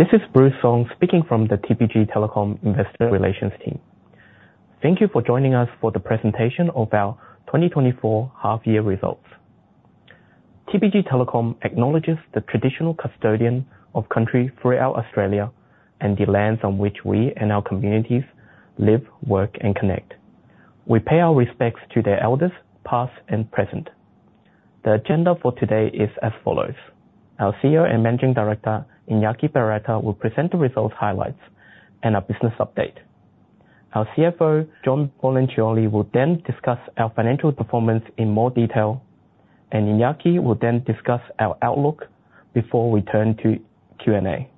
This is Bruce Song, speaking from the TPG Telecom Investor Relations team. Thank you for joining us for the presentation of our 2024 half-year results. TPG Telecom acknowledges the traditional custodians of country throughout Australia, and the lands on which we and our communities live, work, and connect. We pay our respects to their elders, past and present. The agenda for today is as follows: Our CEO and Managing Director, Iñaki Berroeta, will present the results highlights and a business update. Our CFO, John Boniciolli, will then discuss our financial performance in more detail, and Iñaki will then discuss our outlook before we turn to Q&A.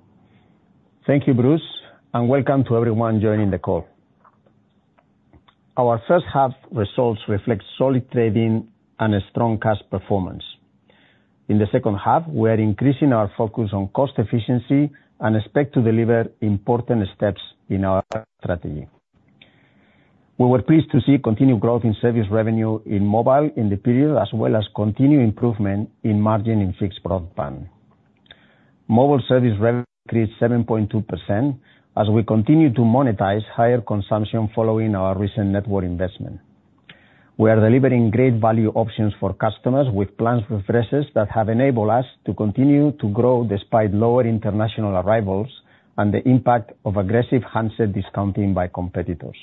Thank you, Bruce, and welcome to everyone joining the call. Our first half results reflect solid trading and a strong cash performance. In the second half, we are increasing our focus on cost efficiency and expect to deliver important steps in our strategy. We were pleased to see continued growth in service revenue in mobile in the period, as well as continued improvement in margin in fixed Broadband. Mobile service revenue increased 7.2%, as we continue to monetize higher consumption following our recent network investment. We are delivering great value options for customers with plan refreshes that have enabled us to continue to grow, despite lower international arrivals and the impact of aggressive handset discounting by competitors.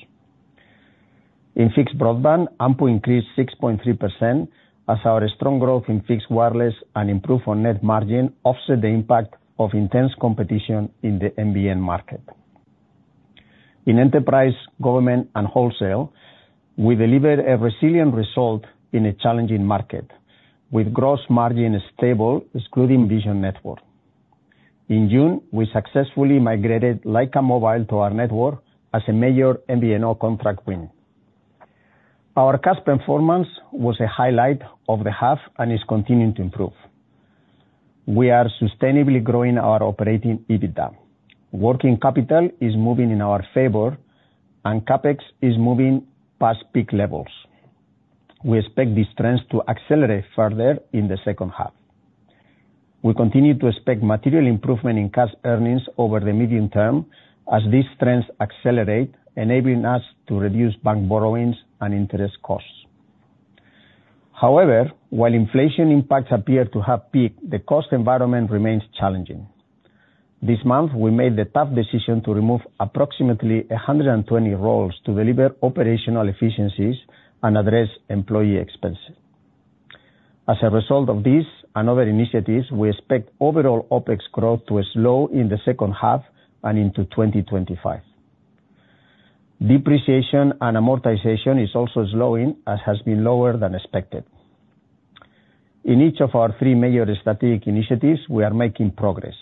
In fixed Broadband, ARPU increased 6.3%, as our strong growth in Fixed Wireless and improved on-net margin offset the impact of intense competition in the NBN market. In enterprise, government, and wholesale, we delivered a resilient result in a challenging market, with gross margin stable, excluding Vision Network. In June, we successfully migrated Lyca Mobile to our network as a major MVNO contract win. Our cash performance was a highlight of the half and is continuing to improve. We are sustainably growing our operating EBITDA. Working capital is moving in our favor, and CapEx is moving past peak levels. We expect these trends to accelerate further in the second half. We continue to expect material improvement in cash earnings over the medium term as these trends accelerate, enabling us to reduce bank borrowings and interest costs. However, while inflation impacts appear to have peaked, the cost environment remains challenging. This month, we made the tough decision to remove approximately 120 roles to deliver operational efficiencies and address employee expenses. As a result of this and other initiatives, we expect overall OpEx growth to slow in the second half and into 2025. Depreciation and amortization is also slowing, and has been lower than expected. In each of our three major strategic initiatives, we are making progress.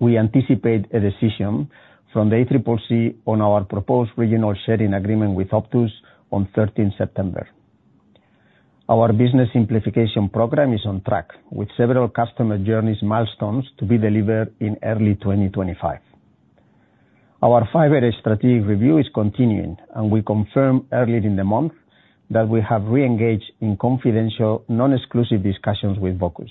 We anticipate a decision from the ACCC on our proposed regional sharing agreement with Optus on September 13th. Our business simplification program is on track, with several customer journeys milestones to be delivered in early 2025. Our fiber strategic review is continuing, and we confirm earlier in the month that we have re-engaged in confidential, non-exclusive discussions with Vocus.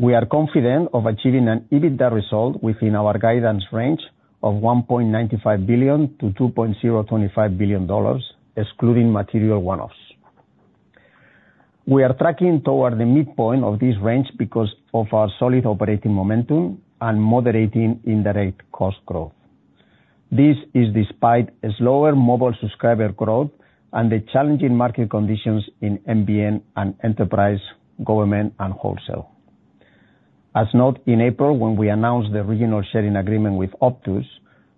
We are confident of achieving an EBITDA result within our guidance range of 1.95 billion-2.025 billion dollars, excluding material one-offs. We are tracking toward the midpoint of this range because of our solid operating momentum and moderating indirect cost growth. This is despite a slower mobile subscriber growth and the challenging market conditions in NBN and enterprise, government, and wholesale. As noted in April, when we announced the regional sharing agreement with Optus,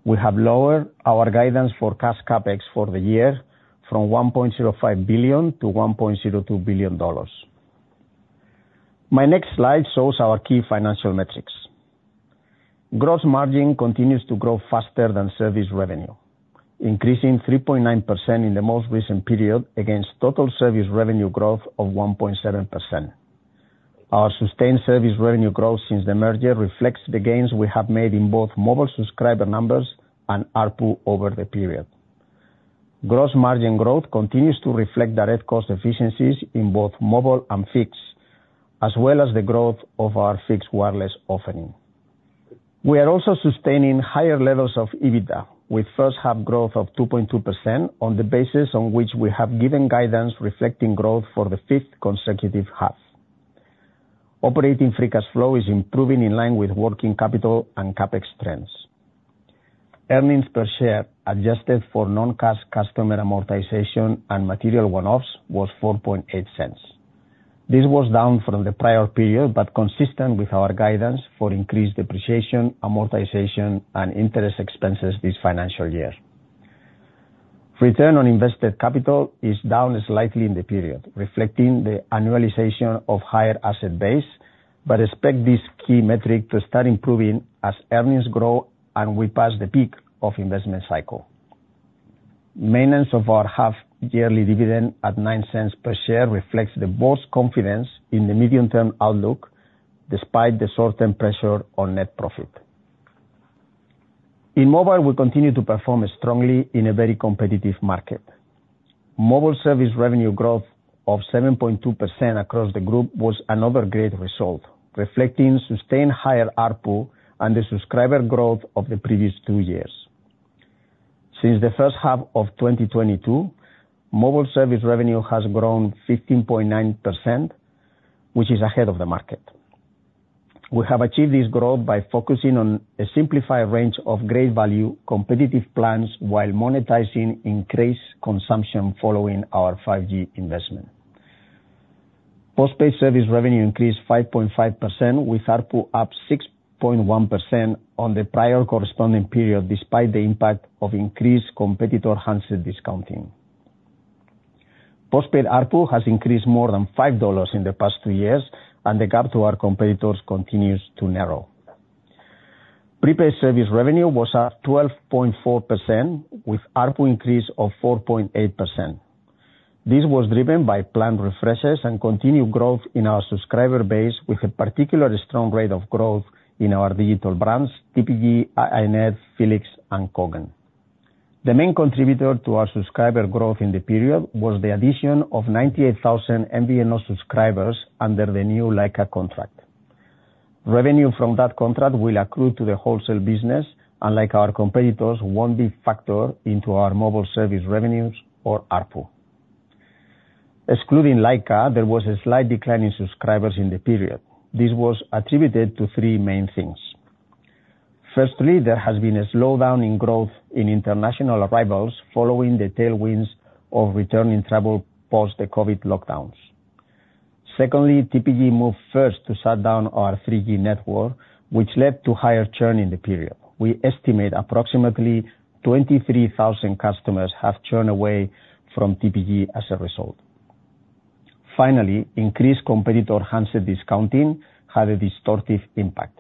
we have lowered our guidance for cash CapEx for the year from 1.05 billion to 1.02 billion dollars. My next slide shows our key financial metrics. Gross margin continues to grow faster than service revenue, increasing 3.9% in the most recent period against total service revenue growth of 1.7%. Our sustained service revenue growth since the merger reflects the gains we have made in both mobile subscriber numbers and ARPU over the period. Gross margin growth continues to reflect direct cost efficiencies in both mobile and fixed, as well as the growth of our Fixed Wireless offering. We are also sustaining higher levels of EBITDA, with first half growth of 2.2% on the basis on which we have given guidance reflecting growth for the fifth consecutive half. Operating free cash flow is improving in line with working capital and CapEx trends. Earnings per share, adjusted for non-cash customer amortization and material one-offs, was 0.048. This was down from the prior period, but consistent with our guidance for increased depreciation, amortization, and interest expenses this financial year. Return on invested capital is down slightly in the period, reflecting the annualization of higher asset base, but expect this key metric to start improving as earnings grow and we pass the peak of investment cycle. Maintenance of our half-yearly dividend at 0.09 per share reflects the board's confidence in the medium-term outlook, despite the short-term pressure on net profit. In mobile, we continue to perform strongly in a very competitive market. Mobile service revenue growth of 7.2% across the group was another great result, reflecting sustained higher ARPU and the subscriber growth of the previous two years. Since the first half of 2022, mobile service revenue has grown 15.9%, which is ahead of the market. We have achieved this growth by focusing on a simplified range of great value, competitive plans, while monetizing increased consumption following our 5G investment. Postpaid service revenue increased 5.5%, with ARPU up 6.1% on the prior corresponding period, despite the impact of increased competitor handset discounting. Postpaid ARPU has increased more than 5 dollars in the past two years, and the gap to our competitors continues to narrow. Prepaid service revenue was up 12.4%, with ARPU increase of 4.8%. This was driven by plan refreshes and continued growth in our subscriber base, with a particularly strong rate of growth in our digital brands, TPG, iiNet, felix, and Kogan. The main contributor to our subscriber growth in the period was the addition of 98,000 MVNO subscribers under the new Lyca contract. Revenue from that contract will accrue to the wholesale business, unlike our competitors, won't be factored into our mobile service revenues or ARPU. Excluding Lyca, there was a slight decline in subscribers in the period. This was attributed to three main things: firstly, there has been a slowdown in growth in international arrivals following the tailwinds of returning travel post the COVID lockdowns. Secondly, TPG moved first to shut down our 3G network, which led to higher churn in the period. We estimate approximately 23,000 customers have churned away from TPG as a result. Finally, increased competitor handset discounting had a distortive impact.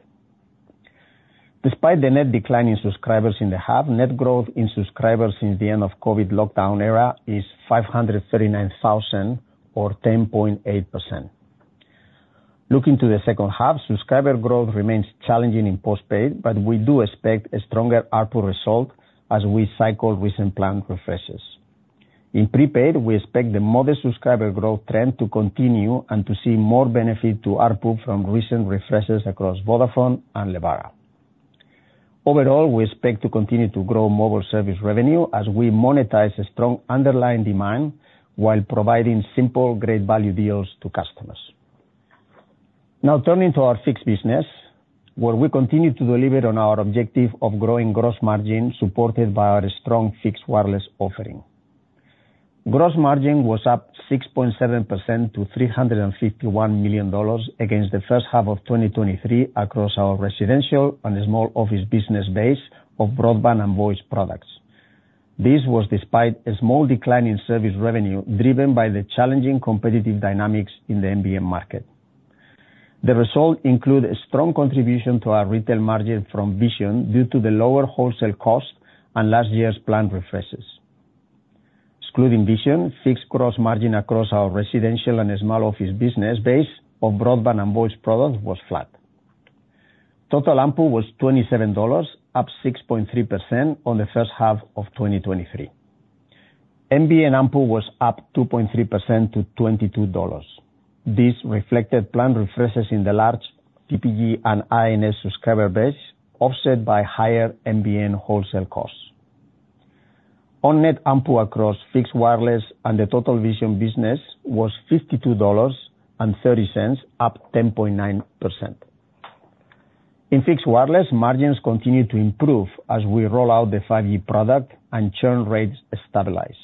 Despite the net decline in subscribers in the half, net growth in subscribers since the end of COVID lockdown era is 539,000, or 10.8%. Looking to the second half, subscriber growth remains challenging in postpaid, but we do expect a stronger ARPU result as we cycle recent plan refreshes. In prepaid, we expect the modest subscriber growth trend to continue and to see more benefit to ARPU from recent refreshes across Vodafone and Lebara. Overall, we expect to continue to grow mobile service revenue as we monetize a strong underlying demand, while providing simple, great value deals to customers. Now, turning to our fixed business, where we continue to deliver on our objective of growing gross margin, supported by our strong Fixed Wireless offering. Gross margin was up 6.7% to 351 million dollars against the first half of 2023 across our residential and small office business base of broadband and voice products. This was despite a small decline in service revenue, driven by the challenging competitive dynamics in the NBN market. The results include a strong contribution to our retail margin from Vision, due to the lower wholesale cost and last year's plan refreshes. Excluding Vision, fixed gross margin across our residential and small office business base of broadband and voice products was flat. Total ARPU was 27 dollars, up 6.3% on the first half of 2023. NBN ARPU was up 2.3% to 22 dollars. This reflected plan refreshes in the large TPG and iiNet subscriber base, offset by higher NBN wholesale costs. On-net, ARPU across Fixed Wireless, and the total Vision business was 52.30 dollars, up 10.9%. In Fixed Wireless, margins continue to improve as we roll out the 5G product and churn rates stabilize.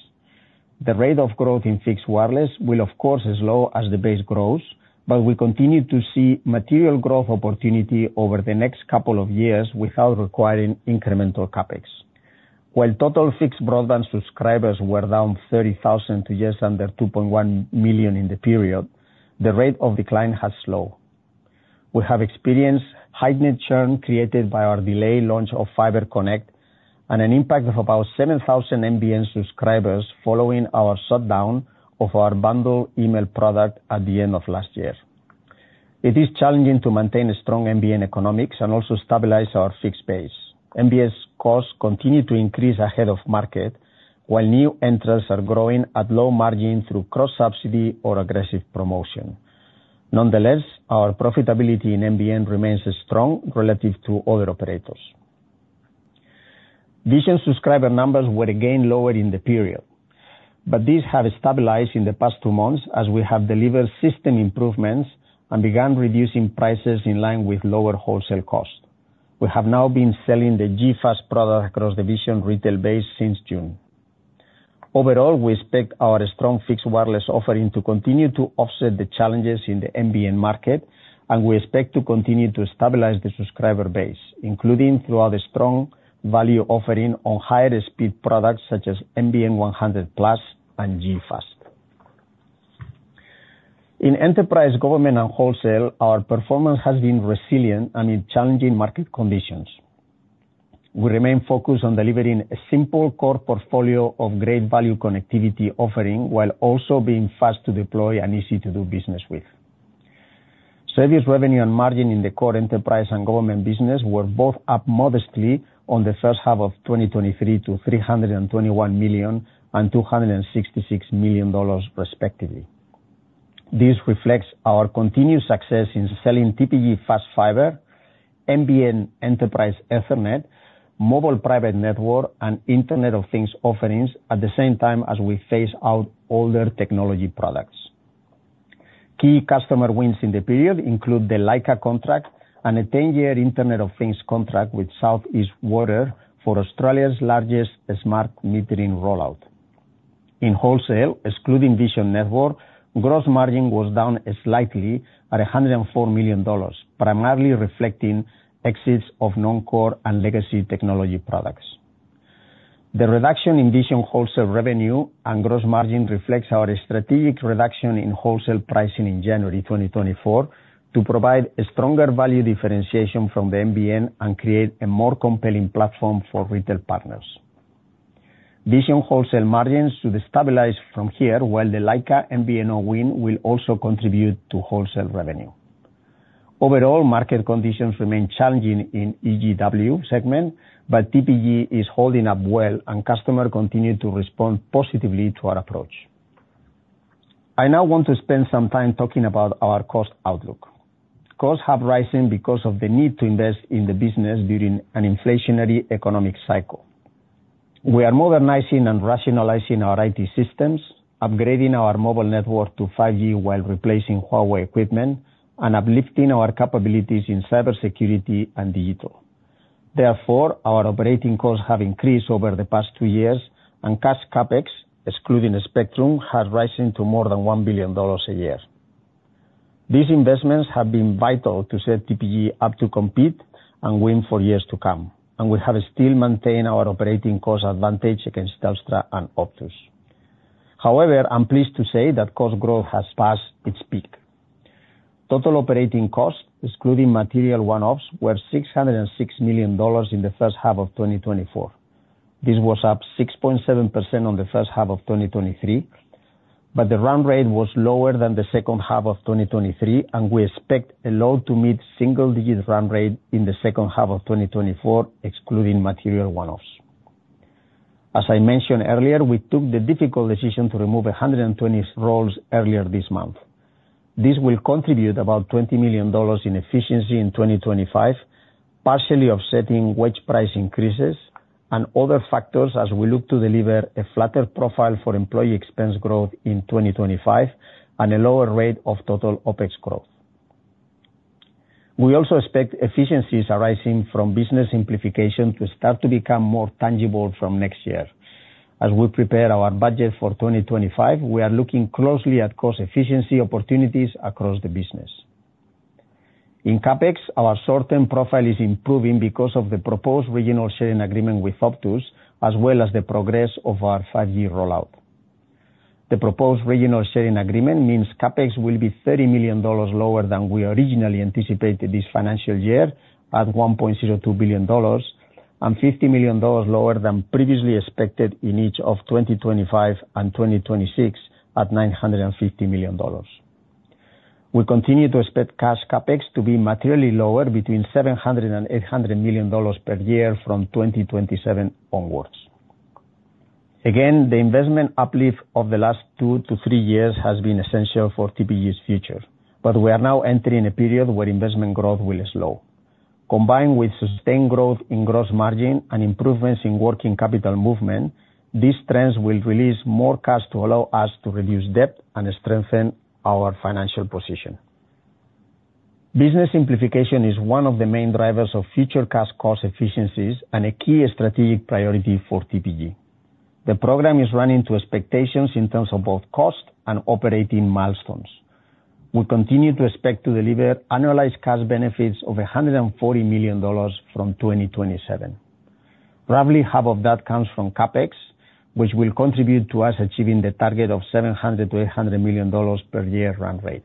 The rate of growth in Fixed Wireless will, of course, slow as the base grows, but we continue to see material growth opportunity over the next couple of years without requiring incremental CapEx. While total fixed Broadband subscribers were down 30,000 to just under 2.1 million in the period, the rate of decline has slowed. We have experienced heightened churn created by our delayed launch of Fibre Connect, and an impact of about 7,000 NBN subscribers following our shutdown of our bundle email product at the end of last year. It is challenging to maintain a strong NBN economics and also stabilize our fixed base. NBN's costs continue to increase ahead of market, while new entrants are growing at low margin through cross-subsidy or aggressive promotion. Nonetheless, our profitability in NBN remains strong relative to other operators. Vision subscriber numbers were again lower in the period, but these have stabilized in the past two months as we have delivered system improvements and began reducing prices in line with lower wholesale costs. We have now been selling the G.fast product across the Vision retail base since June. Overall, we expect our strong Fixed Wireless offering to continue to offset the challenges in the NBN market, and we expect to continue to stabilize the subscriber base, including through our strong value offering on higher speed products, such as NBN 100+ and G.fast. In enterprise, government, and wholesale, our performance has been resilient amid challenging market conditions. We remain focused on delivering a simple core portfolio of great value connectivity offering, while also being fast to deploy and easy to do business with. Service revenue and margin in the core Enterprise and Government business were both up modestly on the first half of 2023 to 321 million and 266 million dollars, respectively. This reflects our continued success in selling TPG Fast Fibre, NBN Enterprise Ethernet, Mobile Private Network, and Internet of Things offerings, at the same time as we phase out older technology products. Key customer wins in the period include the Lebara contract and a 10-year Internet of Things contract with Southeast Water for Australia's largest smart metering rollout. In wholesale, excluding Vision Network, gross margin was down slightly at 104 million dollars, primarily reflecting exits of non-core and legacy technology products. The reduction in Vision wholesale revenue and gross margin reflects our strategic reduction in wholesale pricing in January 2024, to provide a stronger value differentiation from the NBN and create a more compelling platform for retail partners. Vision wholesale margins should stabilize from here, while the Lebara MVNO win will also contribute to wholesale revenue. Overall, market conditions remain challenging in EGW segment, but TPG is holding up well, and customers continue to respond positively to our approach. I now want to spend some time talking about our cost outlook. Costs have risen because of the need to invest in the business during an inflationary economic cycle. We are modernizing and rationalizing our IT systems, upgrading our mobile network to 5G while replacing Huawei equipment, and uplifting our capabilities in cybersecurity and digital. Therefore, our operating costs have increased over the past two years, and cash CapEx, excluding the spectrum, has risen to more than 1 billion dollars a year. These investments have been vital to set TPG up to compete and win for years to come, and we have still maintained our operating cost advantage against Telstra and Optus. However, I'm pleased to say that cost growth has passed its peak. Total operating costs, excluding material one-offs, were 606 million dollars in the first half of 2024. This was up 6.7% on the first half of 2023, but the run rate was lower than the second half of 2023, and we expect a low to mid-single digit run rate in the second half of 2024, excluding material one-offs. As I mentioned earlier, we took the difficult decision to remove 120 roles earlier this month. This will contribute about 20 million dollars in efficiency in 2025, partially offsetting wage price increases and other factors as we look to deliver a flatter profile for employee expense growth in 2025, and a lower rate of total OpEx growth. We also expect efficiencies arising from business simplification to start to become more tangible from next year. As we prepare our budget for 2025, we are looking closely at cost efficiency opportunities across the business. In CapEx, our short-term profile is improving because of the proposed regional sharing agreement with Optus, as well as the progress of our 5-year rollout. The proposed regional sharing agreement means CapEx will be 30 million dollars lower than we originally anticipated this financial year, at 1.02 billion dollars, and 50 million dollars lower than previously expected in each of 2025 and 2026, at 950 million dollars. We continue to expect cash CapEx to be materially lower, between 700 million dollars and AUD 800 million per year from 2027 onwards. Again, the investment uplift of the last two to three years has been essential for TPG's future, but we are now entering a period where investment growth will slow. Combined with sustained growth in gross margin and improvements in working capital movement, these trends will release more cash to allow us to reduce debt and strengthen our financial position. Business simplification is one of the main drivers of future cash cost efficiencies and a key strategic priority for TPG. The program is running to expectations in terms of both cost and operating milestones. We continue to expect to deliver annualized cash benefits of 140 million dollars from 2027. Roughly half of that comes from CapEx, which will contribute to us achieving the target of 700 million-800 million dollars per year run rate.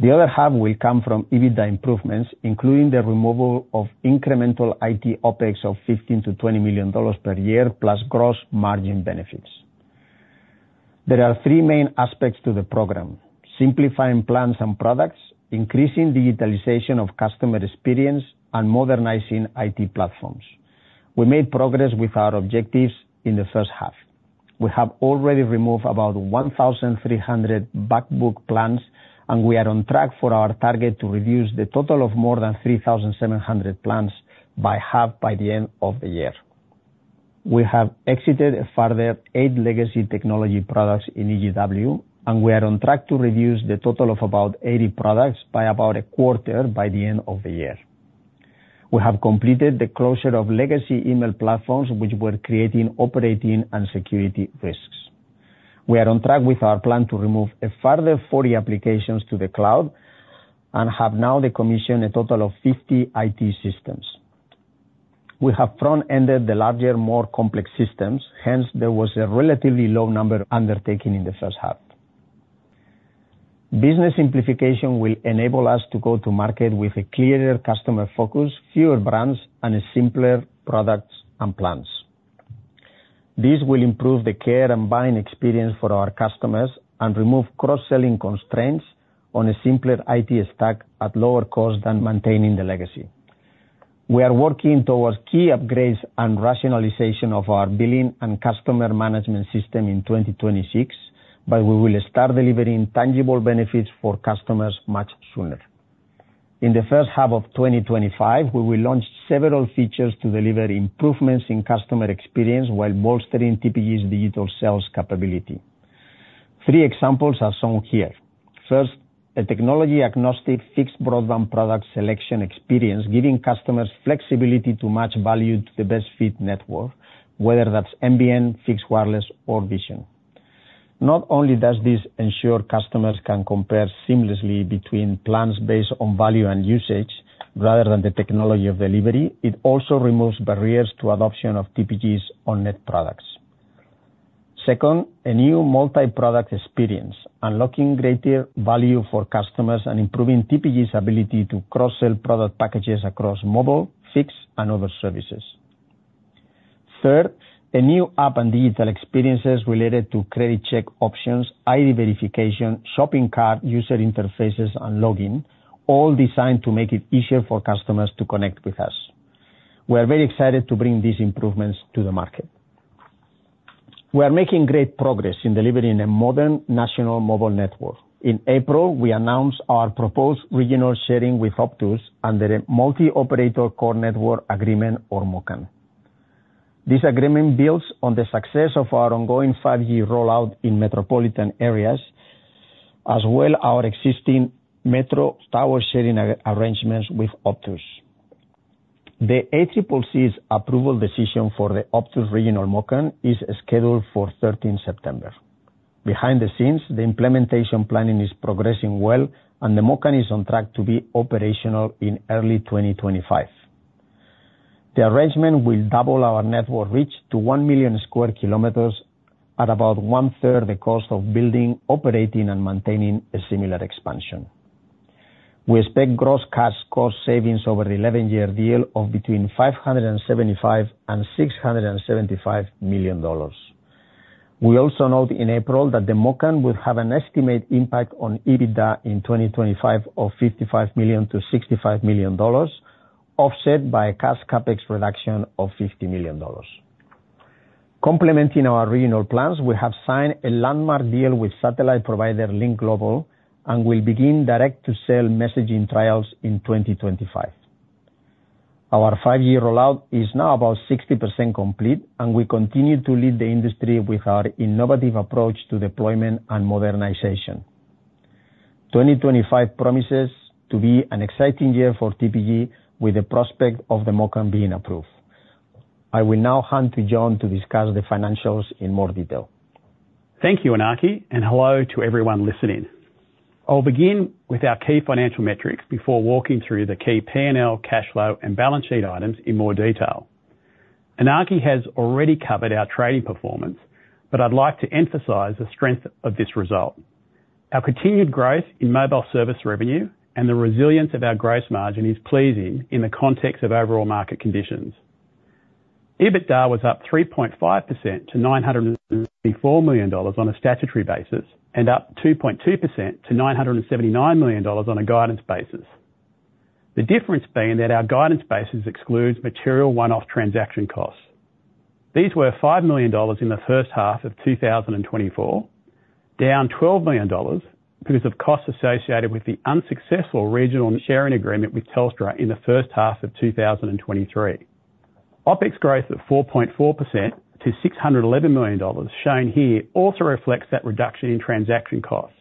The other half will come from EBITDA improvements, including the removal of incremental IT OpEx of 15 million-20 million dollars per year, plus gross margin benefits. There are three main aspects to the program: simplifying plans and products, increasing digitalization of customer experience, and modernizing IT platforms. We made progress with our objectives in the first half. We have already removed about 1,300 back book plans, and we are on track for our target to reduce the total of more than 3,700 plans by half by the end of the year. We have exited a further eight legacy technology products in EGW, and we are on track to reduce the total of about 80 products by about a quarter by the end of the year. We have completed the closure of legacy email platforms, which were creating operating and security risks. We are on track with our plan to remove a further 40 applications to the cloud, and have now decommissioned a total of 50 IT systems. We have front-ended the larger, more complex systems. Hence, there was a relatively low number undertaken in the first half. Business simplification will enable us to go to market with a clearer customer focus, fewer brands, and simpler products and plans. This will improve the care and buying experience for our customers and remove cross-selling constraints on a simpler IT stack at lower cost than maintaining the legacy. We are working towards key upgrades and rationalization of our billing and customer management system in 2026, but we will start delivering tangible benefits for customers much sooner. In the first half of 2025, we will launch several features to deliver improvements in customer experience while bolstering TPG's digital sales capability. Three examples are shown here. First, a technology-agnostic fixed broadband product selection experience, giving customers flexibility to match value to the best fit network, whether that's NBN, Fixed Wireless, or Vision. Not only does this ensure customers can compare seamlessly between plans based on value and usage, rather than the technology of delivery, it also removes barriers to adoption of TPG's on-net products. Second, a new multi-product experience, unlocking greater value for customers and improving TPG's ability to cross-sell product packages across mobile, fixed, and other services. Third, a new app and digital experiences related to credit check options, ID verification, shopping cart, user interfaces, and login, all designed to make it easier for customers to connect with us. We are very excited to bring these improvements to the market. We are making great progress in delivering a modern national mobile network. In April, we announced our proposed regional sharing with Optus under a Multi-Operator Core Network agreement or MOCN. This agreement builds on the success of our ongoing 5-year rollout in metropolitan areas, as well as our existing metro tower sharing arrangements with Optus. The ACCC's approval decision for the Optus regional MOCN is scheduled for September 13th. Behind the scenes, the implementation planning is progressing well, and the MOCN is on track to be operational in early 2025. The arrangement will double our network reach to 1 million sq km at about one-third the cost of building, operating, and maintaining a similar expansion. We expect gross cash cost savings over the 11-year deal of between 575 million and 675 million dollars. We also note in April that the MOCN will have an estimated impact on EBITDA in 2025 of 55 million-65 million dollars, offset by a cash CapEx reduction of 50 million dollars. Complementing our regional plans, we have signed a landmark deal with satellite provider Lynk Global, and will begin direct-to-cell messaging trials in 2025. Our 5-year rollout is now about 60% complete, and we continue to lead the industry with our innovative approach to deployment and modernization. 2025 promises to be an exciting year for TPG with the prospect of the MOCN being approved. I will now hand to John to discuss the financials in more detail. Thank you, Iñaki, and hello to everyone listening. I'll begin with our key financial metrics before walking through the key P&L cash flow and balance sheet items in more detail. Iñaki has already covered our trading performance, but I'd like to emphasize the strength of this result. Our continued growth in mobile service revenue and the resilience of our gross margin is pleasing in the context of overall market conditions. EBITDA was up 3.5% to 974 million dollars on a statutory basis, and up 2.2% to 979 million dollars on a guidance basis. The difference being that our guidance basis excludes material one-off transaction costs. These were 5 million dollars in the first half of 2024, down 12 million dollars because of costs associated with the unsuccessful regional sharing agreement with Telstra in the first half of 2023. OpEx growth at 4.4% to 611 million dollars, shown here, also reflects that reduction in transaction costs.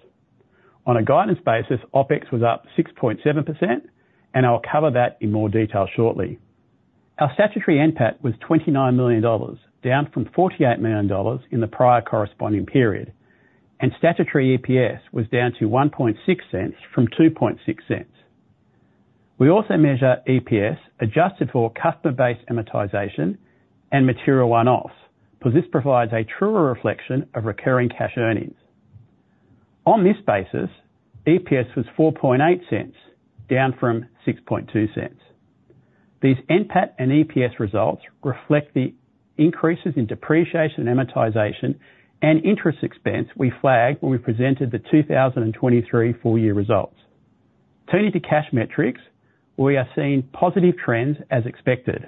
On a guidance basis, OpEx was up 6.7%, and I'll cover that in more detail shortly. Our statutory NPAT was 29 million dollars, down from 48 million dollars in the prior corresponding period, and statutory EPS was down to 0.016 from 0.026. We also measure EPS, adjusted for customer base amortization and material one-offs, because this provides a truer reflection of recurring cash earnings. On this basis, EPS was 0.048, down from 0.062. These NPAT and EPS results reflect the increases in depreciation and amortization and interest expense we flagged when we presented the 2023 full year results. Turning to cash metrics, we are seeing positive trends as expected,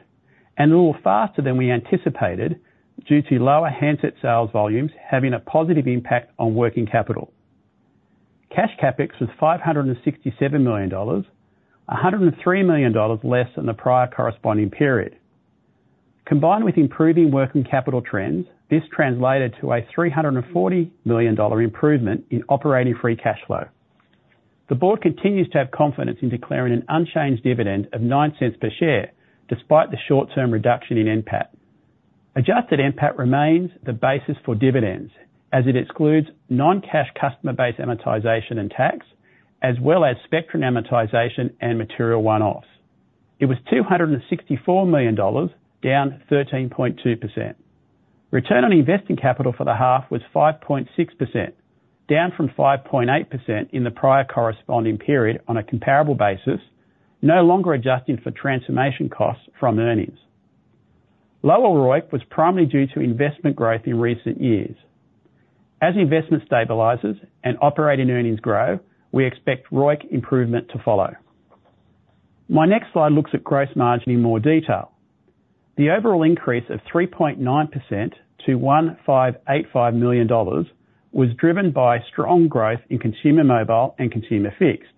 and a little faster than we anticipated due to lower handset sales volumes having a positive impact on working capital. Cash CapEx was 567 million dollars, 103 million dollars less than the prior corresponding period. Combined with improving working capital trends, this translated to a 340 million dollar improvement in operating free cash flow. The board continues to have confidence in declaring an unchanged dividend of 0.09 per share, despite the short-term reduction in NPAT. Adjusted NPAT remains the basis for dividends, as it excludes non-cash customer base amortization and tax, as well as spectrum amortization and material one-offs. It was 264 million dollars, down 13.2%. Return on invested capital for the half was 5.6%, down from 5.8% in the prior corresponding period on a comparable basis, no longer adjusting for transformation costs from earnings. Lower ROIC was primarily due to investment growth in recent years. As investment stabilizes and operating earnings grow, we expect ROIC improvement to follow. My next slide looks at gross margin in more detail. The overall increase of 3.9% to 1,585 million dollars was driven by strong growth in Consumer Mobile and Consumer Fixed.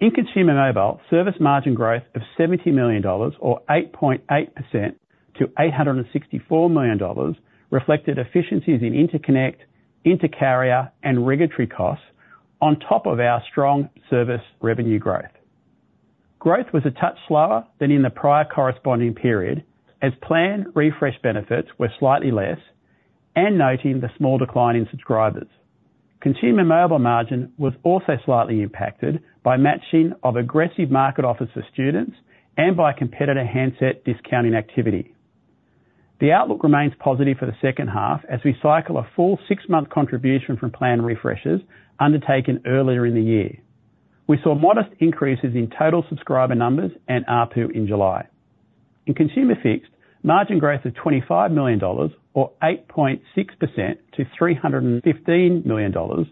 In Consumer Mobile, service margin growth of 70 million dollars or 8.8% to 864 million dollars reflected efficiencies in interconnect, intercarrier, and regulatory costs on top of our strong service revenue growth. Growth was a touch slower than in the prior corresponding period, as planned refresh benefits were slightly less, and noting the small decline in subscribers. Consumer Mobile margin was also slightly impacted by matching of aggressive market offers to students and by competitor handset discounting activity. The outlook remains positive for the second half as we cycle a full six-month contribution from plan refreshes undertaken earlier in the year. We saw modest increases in total subscriber numbers and ARPU in July. In Consumer Fixed, margin growth of 25 million dollars, or 8.6% to 315 million dollars,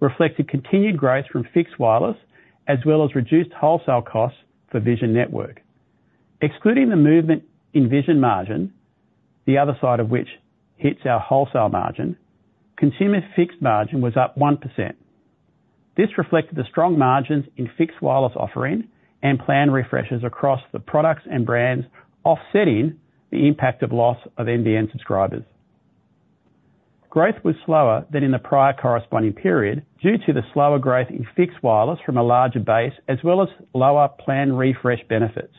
reflected continued growth from Fixed Wireless, as well as reduced wholesale costs for Vision Network. Excluding the movement in Vision margin, the other side of which hits our wholesale margin, Consumer Fixed margin was up 1%. This reflected the strong margins in Fixed Wireless offering and plan refreshes across the products and brands, offsetting the impact of loss of NBN subscribers. Growth was slower than in the prior corresponding period, due to the slower growth in Fixed Wireless from a larger base, as well as lower plan refresh benefits.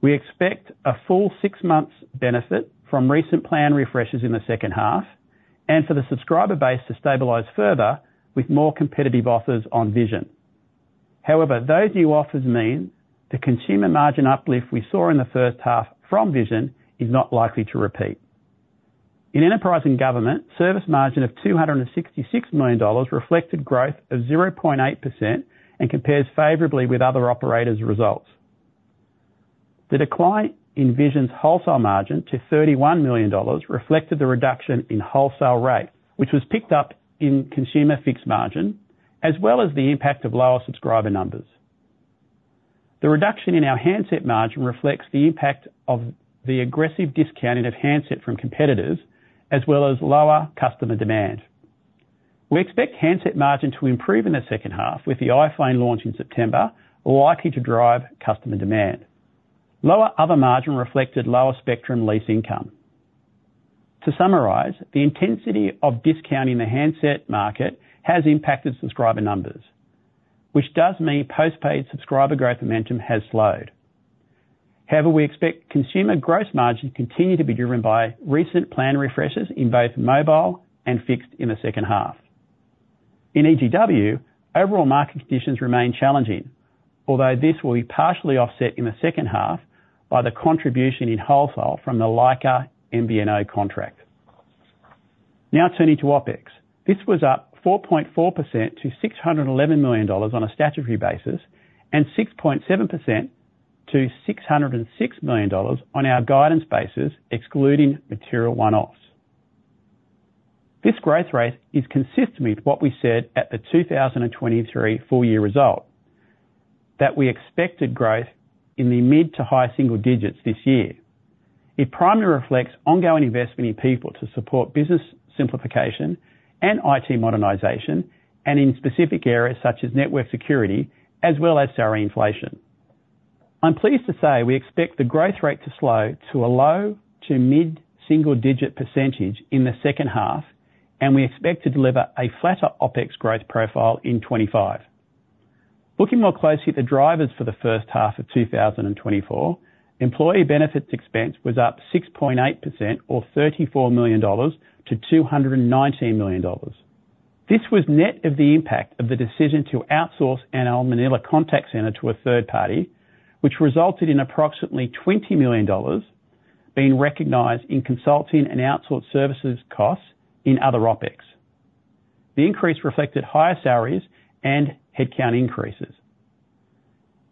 We expect a full six months benefit from recent plan refreshes in the second half, and for the subscriber base to stabilize further with more competitive offers on Vision. However, those new offers mean the consumer margin uplift we saw in the first half from Vision is not likely to repeat. In Enterprise and Government, service margin of 266 million dollars reflected growth of 0.8% and compares favorably with other operators' results. The decline in Vision's wholesale margin to 31 million dollars reflected the reduction in wholesale rate, which was picked up in Consumer Fixed margin, as well as the impact of lower subscriber numbers. The reduction in our handset margin reflects the impact of the aggressive discounting of handset from competitors, as well as lower customer demand. We expect handset margin to improve in the second half, with the iPhone launch in September likely to drive customer demand. Lower other margin reflected lower spectrum lease income. To summarize, the intensity of discounting the handset market has impacted subscriber numbers, which does mean post-paid subscriber growth momentum has slowed. However, we expect consumer gross margin to continue to be driven by recent plan refreshes in both mobile and fixed in the second half. In EGW, overall market conditions remain challenging, although this will be partially offset in the second half by the contribution in wholesale from the Lyca MVNO contract. Now turning to OpEx. This was up 4.4% to 611 million dollars on a statutory basis, and 6.7% to 606 million dollars on our guidance basis, excluding material one-offs. This growth rate is consistent with what we said at the 2023 full year result, that we expected growth in the mid to high single digits this year. It primarily reflects ongoing investment in people to support business simplification and IT modernization, and in specific areas such as network security, as well as salary inflation. I'm pleased to say we expect the growth rate to slow to a low- to mid-single-digit % in the second half, and we expect to deliver a flatter OpEx growth profile in 2025. Looking more closely at the drivers for the first half of 2024, employee benefits expense was up 6.8% or 34 million dollars to 219 million dollars. This was net of the impact of the decision to outsource our Manila Contact Centre to a third party, which resulted in approximately 20 million dollars being recognized in consulting and outsourced services costs in other OpEx. The increase reflected higher salaries and headcount increases.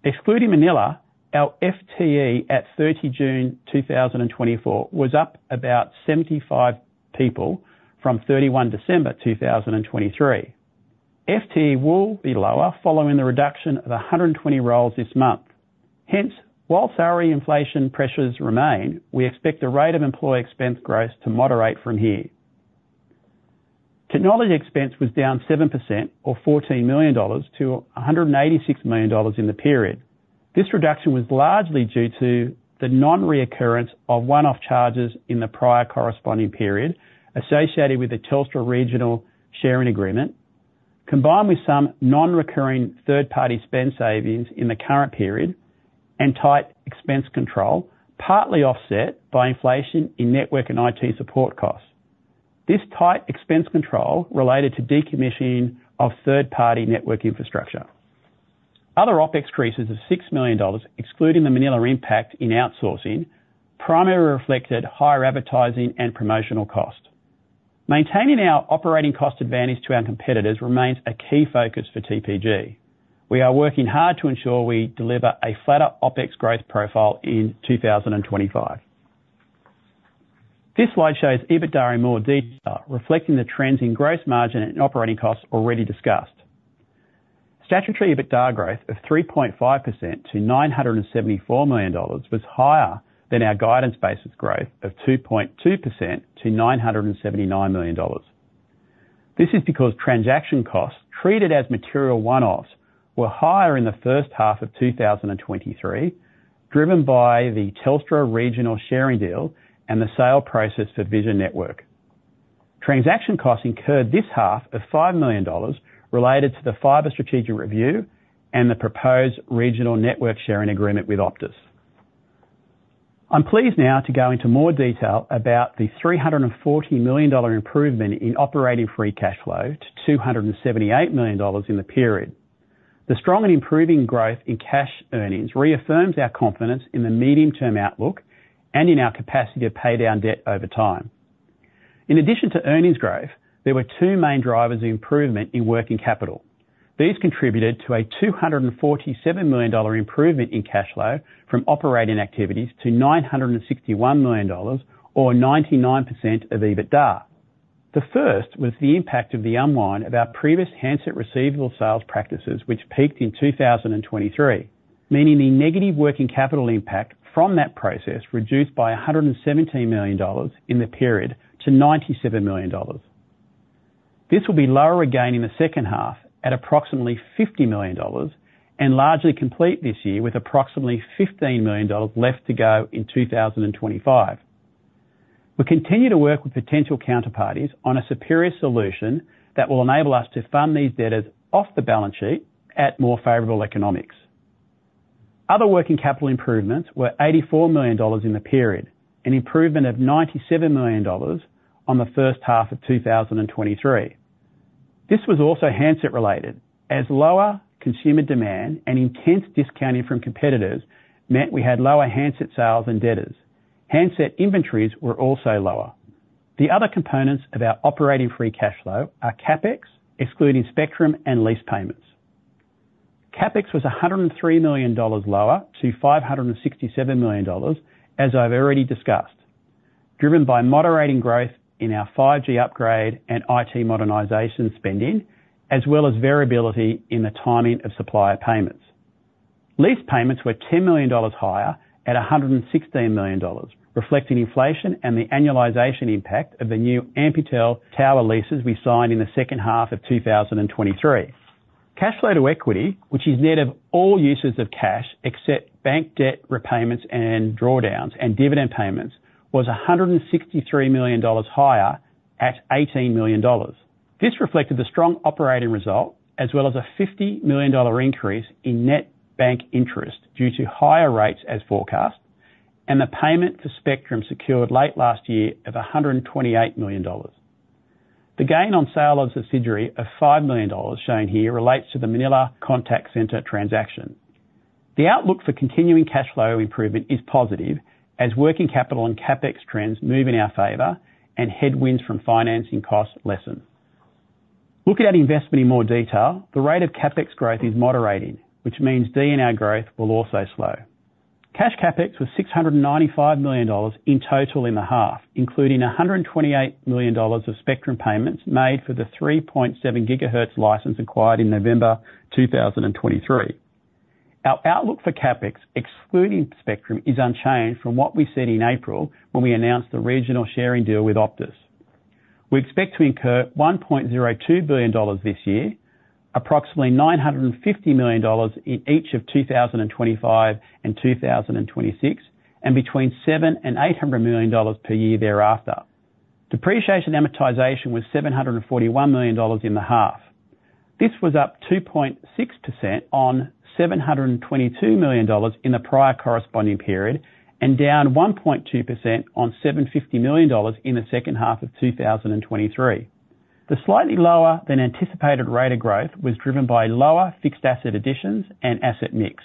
Excluding Manila, our FTE at 30 June 2024 was up about 75 people from 31 December 2023. FTE will be lower following the reduction of 120 roles this month. Hence, while salary inflation pressures remain, we expect the rate of employee expense growth to moderate from here. Technology expense was down 7%, or 14 million dollars, to 186 million dollars in the period. This reduction was largely due to the non-recurrence of one-off charges in the prior corresponding period, associated with the Telstra regional sharing agreement, combined with some non-recurring third-party spend savings in the current period and tight expense control, partly offset by inflation in network and IT support costs. This tight expense control related to decommissioning of third-party network infrastructure. Other OpEx increases of 6 million dollars, excluding the Manila impact in outsourcing, primarily reflected higher advertising and promotional costs. Maintaining our operating cost advantage to our competitors remains a key focus for TPG. We are working hard to ensure we deliver a flatter OpEx growth profile in 2025. This slide shows EBITDA in more detail, reflecting the trends in gross margin and operating costs already discussed. Statutory EBITDA growth of 3.5% to 974 million dollars was higher than our guidance basis growth of 2.2% to 979 million dollars. This is because transaction costs, treated as material one-offs, were higher in the first half of 2023, driven by the Optus regional sharing deal and the sale process for Vision Network. Transaction costs incurred this half of 5 million dollars related to the fiber strategic review and the proposed regional network sharing agreement with Optus. I'm pleased now to go into more detail about the 340 million dollar improvement in operating free cash flow to 278 million dollars in the period. The strong and improving growth in cash earnings reaffirms our confidence in the medium-term outlook and in our capacity to pay down debt over time. In addition to earnings growth, there were two main drivers of improvement in working capital. These contributed to a 247 million dollar improvement in cash flow from operating activities to 961 million dollars or 99% of EBITDA. The first was the impact of the unwind of our previous handset receivable sales practices, which peaked in 2023. Meaning the negative working capital impact from that process reduced by a 117 million dollars in the period to 97 million dollars. This will be lower again in the second half, at approximately 50 million dollars, and largely complete this year, with approximately 15 million dollars left to go in 2025. We continue to work with potential counterparties on a superior solution that will enable us to fund these debtors off the balance sheet at more favorable economics. Other working capital improvements were 84 million dollars in the period, an improvement of 97 million dollars on the first half of 2023. This was also handset related, as lower consumer demand and intense discounting from competitors meant we had lower handset sales than debtors. Handset inventories were also lower. The other components of our operating free cash flow are CapEx, excluding spectrum and lease payments. CapEx was 103 million dollars lower to 567 million dollars, as I've already discussed, driven by moderating growth in our 5G upgrade and IT modernization spending, as well as variability in the timing of supplier payments. Lease payments were 10 million dollars higher at 116 million dollars, reflecting inflation and the annualization impact of the new Amplitel tower leases we signed in the second half of 2023. Cash flow to equity, which is net of all uses of cash except bank debt repayments and drawdowns and dividend payments, was 163 million dollars higher at 18 million dollars. This reflected the strong operating result, as well as an 50 million dollar increase in net bank interest due to higher rates as forecast, and the payment for spectrum secured late last year of 128 million dollars. The gain on sale of subsidiary of 5 million dollars, shown here, relates to the Manila Contact Centre transaction. The outlook for continuing cash flow improvement is positive, as working capital and CapEx trends move in our favor and headwinds from financing costs lessen. Looking at investment in more detail, the rate of CapEx growth is moderating, which means D&I growth will also slow. Cash CapEx was 695 million dollars in total in the half, including 128 million dollars of spectrum payments made for the 3.7 GHz license acquired in November 2023. Our outlook for CapEx, excluding spectrum, is unchanged from what we said in April when we announced the regional sharing deal with Optus. We expect to incur 1.02 billion dollars this year, approximately 950 million dollars in each of 2025 and 2026, and between 700 million and 800 million dollars per year thereafter. Depreciation amortization was 741 million dollars in the half. This was up 2.6% on 722 million dollars in the prior corresponding period, and down 1.2% on 750 million dollars in the second half of 2023. The slightly lower than anticipated rate of growth was driven by lower fixed asset additions and asset mix.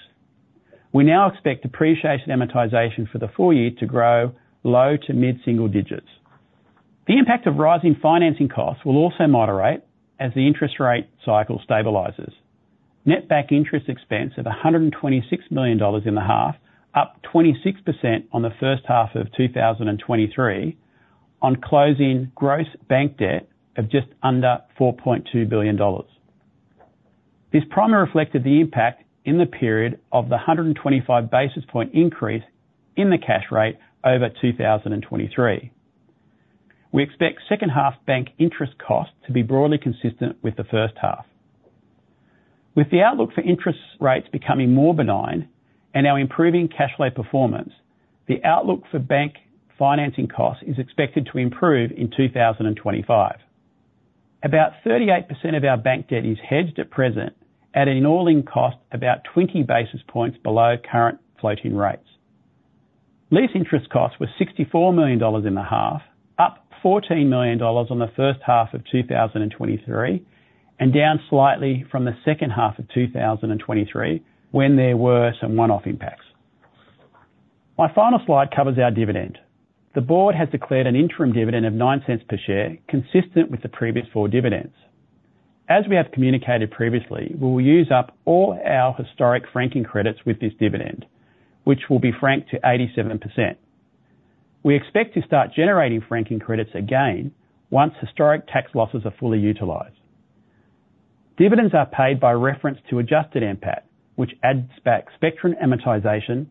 We now expect depreciation amortization for the full year to grow low to mid-single digits. The impact of rising financing costs will also moderate as the interest rate cycle stabilizes. Net bank interest expense of 126 million dollars in the half, up 26% on the first half of 2023 on closing gross bank debt of just under 4.2 billion dollars. This primarily reflected the impact in the period of the 125 basis point increase in the cash rate over 2023. We expect second half bank interest costs to be broadly consistent with the first half. With the outlook for interest rates becoming more benign and our improving cash flow performance, the outlook for bank financing costs is expected to improve in 2025. About 38% of our bank debt is hedged at present at an all-in cost, about 20 basis points below current floating rates. Lease interest costs were 64 million dollars in the half, up 14 million dollars on the first half of 2023, and down slightly from the second half of 2023, when there were some one-off impacts. My final slide covers our dividend. The board has declared an interim dividend of 0.09 per share, consistent with the previous four dividends. As we have communicated previously, we will use up all our historic franking credits with this dividend, which will be franked to 87%. We expect to start generating franking credits again once historic tax losses are fully utilized. Dividends are paid by reference to adjusted NPAT, which adds back spectrum amortization,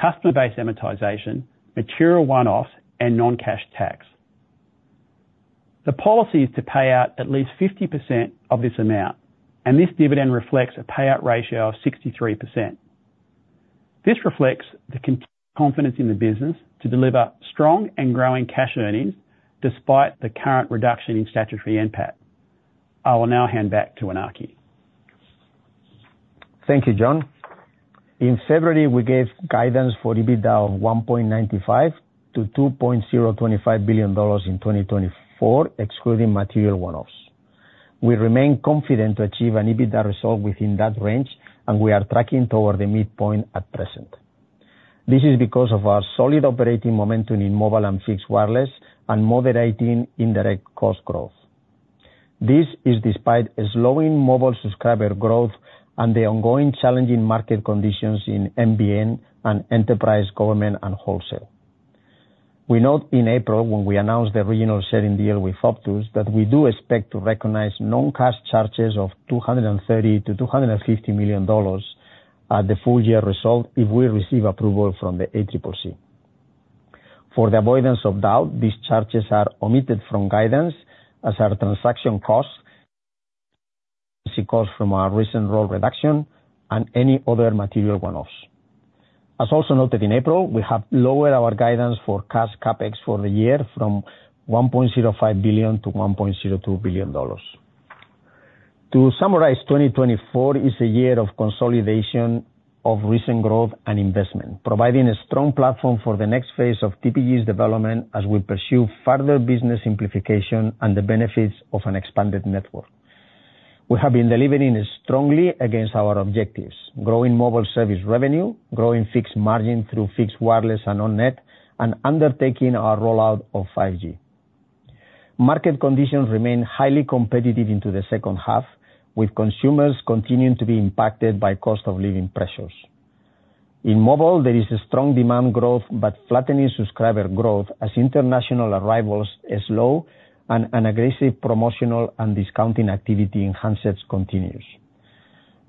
customer base amortization, material one-offs, and non-cash tax. The policy is to pay out at least 50% of this amount, and this dividend reflects a payout ratio of 63%. This reflects the confidence in the business to deliver strong and growing cash earnings, despite the current reduction in statutory NPAT. I will now hand back to Iñaki. Thank you, John. In February, we gave guidance for EBITDA of 1.95 billion-2.025 billion dollars in 2024, excluding material one-offs. We remain confident to achieve an EBITDA result within that range, and we are tracking toward the midpoint at present. This is because of our solid operating momentum in mobile and Fixed Wireless and moderating indirect cost growth. This is despite a slowing mobile subscriber growth and the ongoing challenging market conditions in NBN and enterprise, government, and wholesale. We note in April, when we announced the regional sharing deal with Optus, that we do expect to recognize non-cash charges of 230 million-250 million dollars at the full year result, if we receive approval from the ACCC. For the avoidance of doubt, these charges are omitted from guidance, as are transaction costs, costs from our recent role reduction and any other material one-offs. As also noted in April, we have lowered our guidance for cash CapEx for the year from 1.05 billion to 1.02 billion dollars. To summarize, 2024 is a year of consolidation of recent growth and investment, providing a strong platform for the next phase of TPG's development as we pursue further business simplification and the benefits of an expanded network. We have been delivering strongly against our objectives, growing mobile service revenue, growing fixed margin through Fixed Wireless and on-net, and undertaking our rollout of 5G. Market conditions remain highly competitive into the second half, with consumers continuing to be impacted by cost of living pressures. In mobile, there is a strong demand growth, but flattening subscriber growth as international arrivals is low and an aggressive promotional and discounting activity in handsets continues.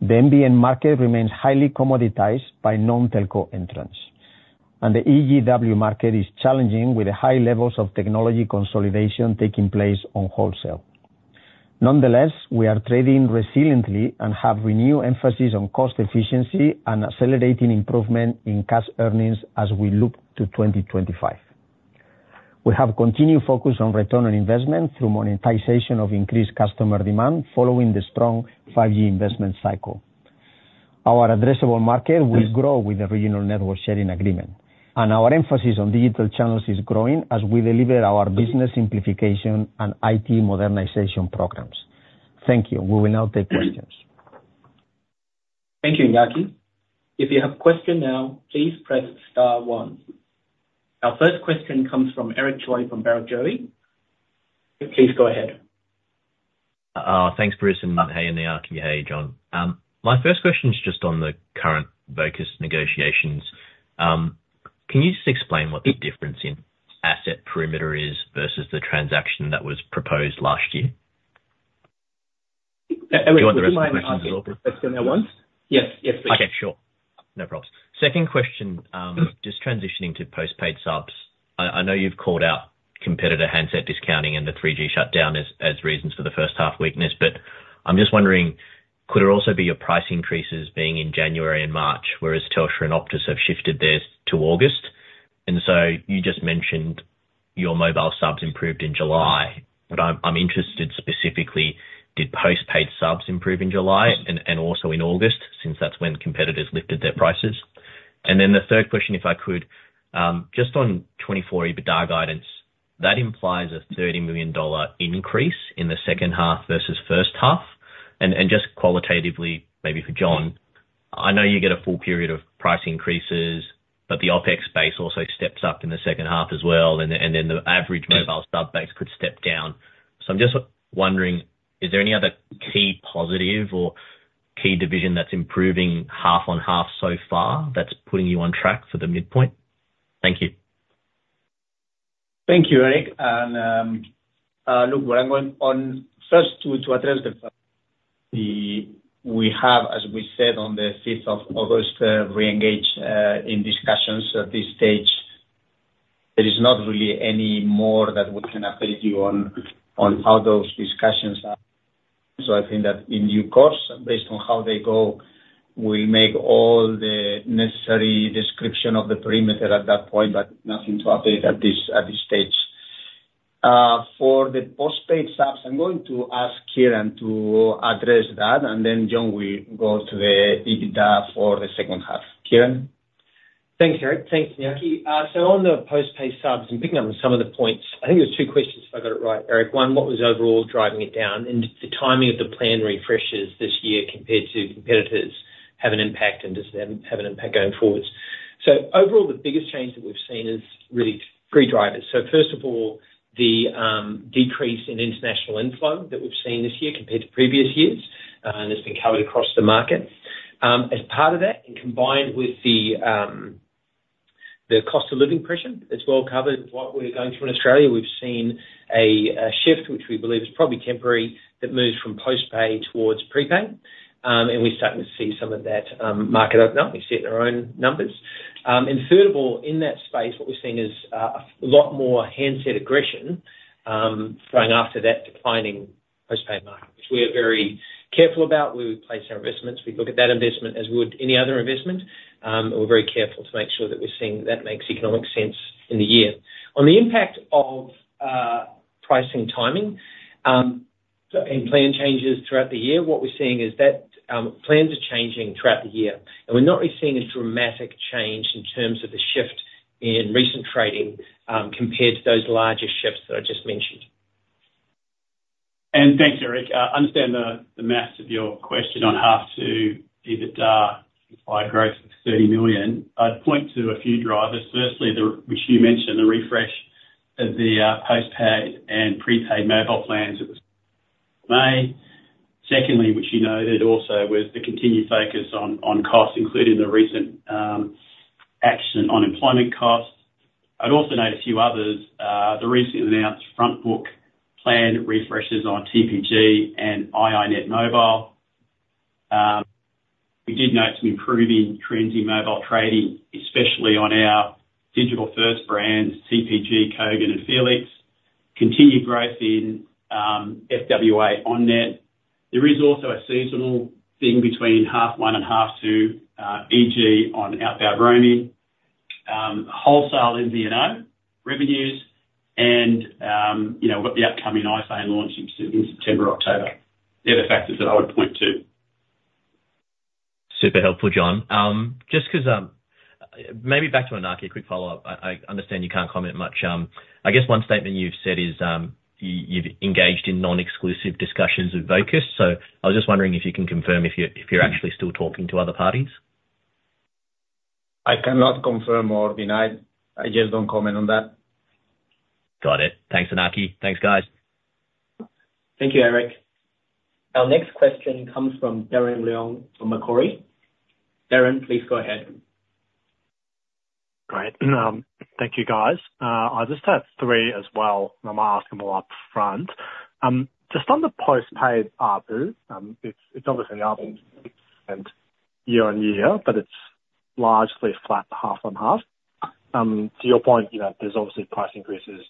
The NBN market remains highly commoditized by non-telco entrants, and the EGW market is challenging, with high levels of technology consolidation taking place on wholesale. Nonetheless, we are trading resiliently and have renewed emphasis on cost efficiency and accelerating improvement in cash earnings as we look to 2025. We have continued focus on return on investment through monetization of increased customer demand following the strong 5G investment cycle. Our addressable market will grow with the regional network sharing agreement, and our emphasis on digital channels is growing as we deliver our business simplification and IT modernization programs. Thank you. We will now take questions. Thank you, Iñaki. If you have a question now, please press star one. Our first question comes from Eric Choi from Barrenjoey. Please go ahead. Thanks, Bruce, and hey, Iñaki. Hey, John. My first question is just on the current Vocus negotiations. Can you just explain what the difference in asset perimeter is versus the transaction that was proposed last year? Eric, do you mind- Do you want the rest of the questions as well? Yes. Yes, please. Okay, sure. No probs. Second question, just transitioning to postpaid subs. I know you've called out competitor handset discounting and the 3G shutdown as reasons for the first half weakness, but I'm just wondering, could it also be your price increases being in January and March, whereas Telstra and Optus have shifted theirs to August? And so you just mentioned your mobile subs improved in July, but I'm interested specifically, did postpaid subs improve in July and also in August, since that's when competitors lifted their prices? And then the third question, if I could, just on 2024 EBITDA guidance, that implies a 30 million dollar increase in the second half versus first half. Just qualitatively, maybe for John, I know you get a full period of price increases, but the OpEx base also steps up in the second half as well, and then the average mobile sub base could step down. So I'm just wondering, is there any other key positive or key division that's improving half on half so far that's putting you on track for the midpoint? Thank you. Thank you, Eric. First, to address the, we have, as we said, on the fifth of August, re-engaged in discussions. At this stage, there is not really any more that we can update you on how those discussions are. So I think that in due course, based on how they go, we make all the necessary description of the perimeter at that point, but nothing to update at this stage. For the postpaid subs, I'm going to ask Kieren to address that, and then, John, we go to the EBITDA for the second half. Kieren? Thanks, Eric. Thanks, Iñaki, so on the postpaid subs, and picking up on some of the points, I think there was two questions, if I got it right, Eric. One, what was overall driving it down? And the timing of the plan refreshes this year compared to competitors.... have an impact and does then have an impact going forwards. So overall, the biggest change that we've seen is really three drivers. So first of all, the decrease in international inflow that we've seen this year compared to previous years, and it's been covered across the market. As part of that, and combined with the cost of living pressure, it's well covered, what we're going through in Australia. We've seen a shift, which we believe is probably temporary, that moves from postpaid towards prepaid. And we're starting to see some of that market open up. We've seen it in our own numbers. And third of all, in that space, what we're seeing is a lot more handset aggression going after that declining postpaid market, which we are very careful about where we place our investments. We look at that investment as we would any other investment, and we're very careful to make sure that we're seeing that makes economic sense in the year. On the impact of pricing, timing, and plan changes throughout the year, what we're seeing is that plans are changing throughout the year, and we're not really seeing a dramatic change in terms of the shift in recent trading compared to those larger shifts that I just mentioned. Thanks, Eric. I understand the math of your question on half two, being that high growth of 30 million. I'd point to a few drivers. Firstly, which you mentioned, the refresh of the postpaid and prepaid mobile plans that was May. Secondly, which you noted also, was the continued focus on costs, including the recent action on employment costs. I'd also note a few others. The recently announced front book plan refreshes on TPG and iiNet mobile. We did note some improving trends in mobile trading, especially on our digital first brands, TPG, Kogan and felix. Continued growth in FWA on-net. There is also a seasonal thing between half one and half two, e.g., on outbound roaming, wholesale MVNO revenues and, you know, we've got the upcoming iPhone launch in September, October. They're the factors that I would point to. Super helpful, John. Just 'cause, maybe back to Iñaki, a quick follow-up. I understand you can't comment much. I guess one statement you've said is, you've engaged in non-exclusive discussions with Vocus, so I was just wondering if you can confirm if you're actually still talking to other parties? I cannot confirm or deny. I just don't comment on that. Got it. Thanks, Iñaki. Thanks, guys. Thank you, Eric. Our next question comes from Darren Leung from Macquarie. Darren, please go ahead. Great. Thank you, guys. I just have three as well, and I'm gonna ask them all upfront. Just on the postpaid ARPU, it's obviously up year on year, but it's largely flat half on half. To your point, you know, there's obviously price increases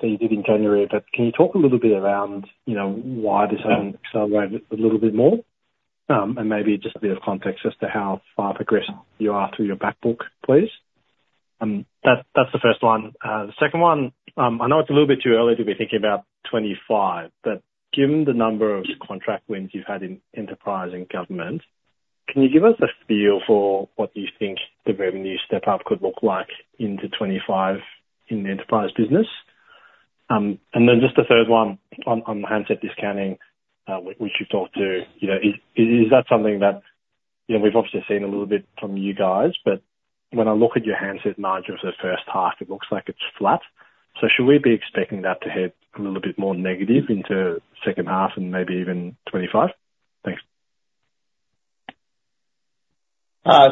that you did in January, but can you talk a little bit around, you know, why this hasn't accelerated a little bit more? And maybe just a bit of context as to how far progressed you are through your back book, please. That's the first one. The second one, I know it's a little bit too early to be thinking about 2025, but given the number of contract wins you've had in Enterprise and Government, can you give us a feel for what you think the revenue step-up could look like into 2025 in the enterprise business? And then just the third one on the handset discounting, which you've talked to, you know, is that something that... You know, we've obviously seen a little bit from you guys, but when I look at your handset margins for the first half, it looks like it's flat. So should we be expecting that to head a little bit more negative into second half and maybe even 2025? Thanks.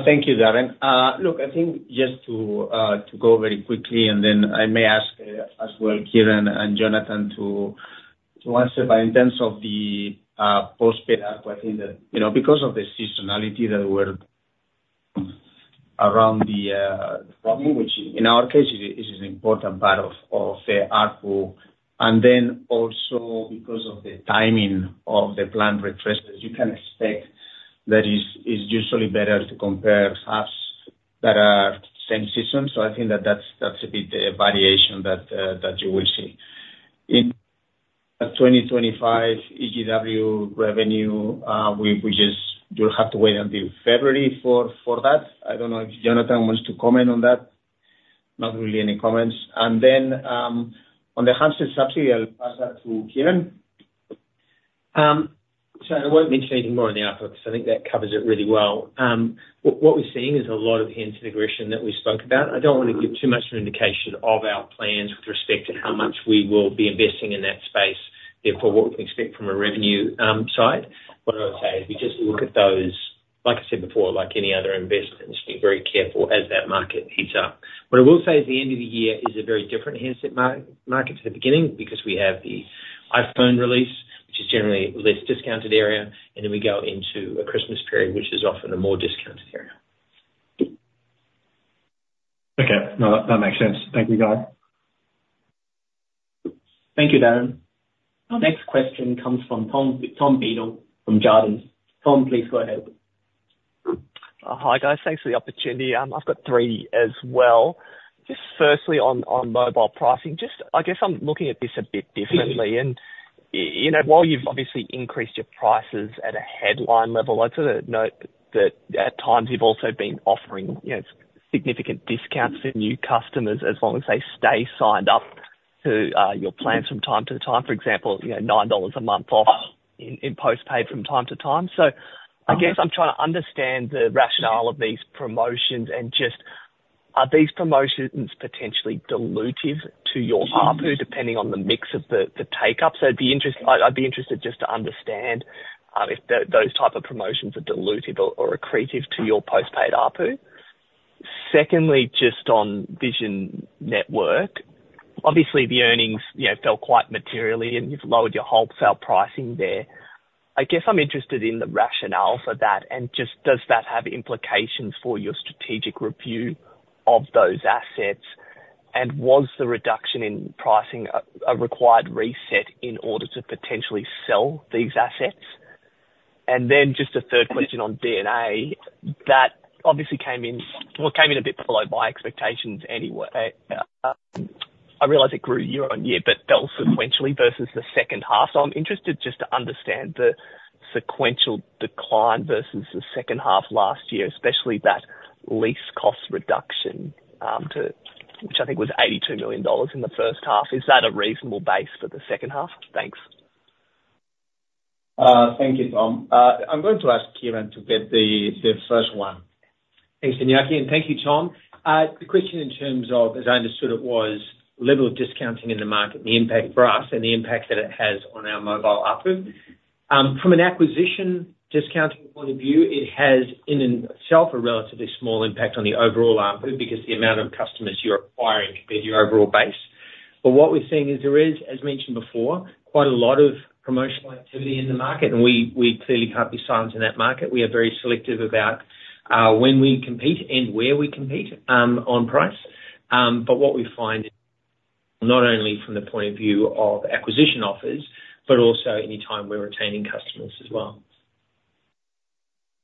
Thank you, Darren. Look, I think just to go very quickly, and then I may ask, as well, Kieren and Jonathan to answer. But in terms of the postpaid ARPU, I think that, you know, because of the seasonality that we're around the problem, which in our case, is an important part of the ARPU, and then also because of the timing of the plan refreshes, you can expect that it's usually better to compare halves that are same system. So I think that that's a bit variation that you will see. In 2025, EGW revenue, we just-- you'll have to wait until February for that. I don't know if Jonathan wants to comment on that. Not really any comments. And then, on the handset subsidy, I'll pass that to Kieren. So I won't mention anything more on the outlook, so I think that covers it really well. What we're seeing is a lot of handset aggression that we spoke about. I don't want to give too much of an indication of our plans with respect to how much we will be investing in that space, therefore, what we can expect from a revenue side. What I would say is, we just look at those, like I said before, like any other investment, just be very careful as that market heats up. What I will say is, the end of the year is a very different handset market to the beginning, because we have the iPhone release, which is generally less discounted area, and then we go into a Christmas period, which is often a more discounted area. Okay. No, that makes sense. Thank you, guys. Thank you, Darren. Our next question comes from Tom, Tom Beadle from Jarden. Tom, please go ahead. Hi, guys. Thanks for the opportunity. I've got three as well. Just firstly, on mobile pricing, just I guess I'm looking at this a bit differently, and you know, while you've obviously increased your prices at a headline level, I just wanna note that at times you've also been offering, you know, significant discounts to new customers, as long as they stay signed up. ... to your plans from time to time. For example, you know, 9 dollars a month off in postpaid from time to time. So I guess I'm trying to understand the rationale of these promotions, and just are these promotions potentially dilutive to your ARPU, depending on the mix of the take-up? So I'd be interested just to understand if those type of promotions are dilutive or accretive to your postpaid ARPU. Secondly, just on Vision Network, obviously the earnings, you know, fell quite materially, and you've lowered your wholesale pricing there. I guess I'm interested in the rationale for that, and just does that have implications for your strategic review of those assets? And was the reduction in pricing a required reset in order to potentially sell these assets? And then just a third question on D&A. That obviously came in... Well, it came in a bit below my expectations anyway. I realize it grew year-on-year, but fell sequentially versus the second half. So I'm interested just to understand the sequential decline versus the second half last year, especially that lease cost reduction, to... Which I think was 82 million dollars in the first half. Is that a reasonable base for the second half? Thanks. Thank you, Tom. I'm going to ask Kieren to get the first one. Thanks, Iñaki, and thank you, Tom. The question in terms of, as I understood it, was level of discounting in the market and the impact for us, and the impact that it has on our mobile ARPU. From an acquisition discounting point of view, it has, in itself, a relatively small impact on the overall ARPU, because the amount of customers you're acquiring compared to your overall base. But what we're seeing is there is, as mentioned before, quite a lot of promotional activity in the market, and we clearly can't be silent in that market. We are very selective about when we compete and where we compete on price. But what we find, not only from the point of view of acquisition offers, but also any time we're retaining customers as well.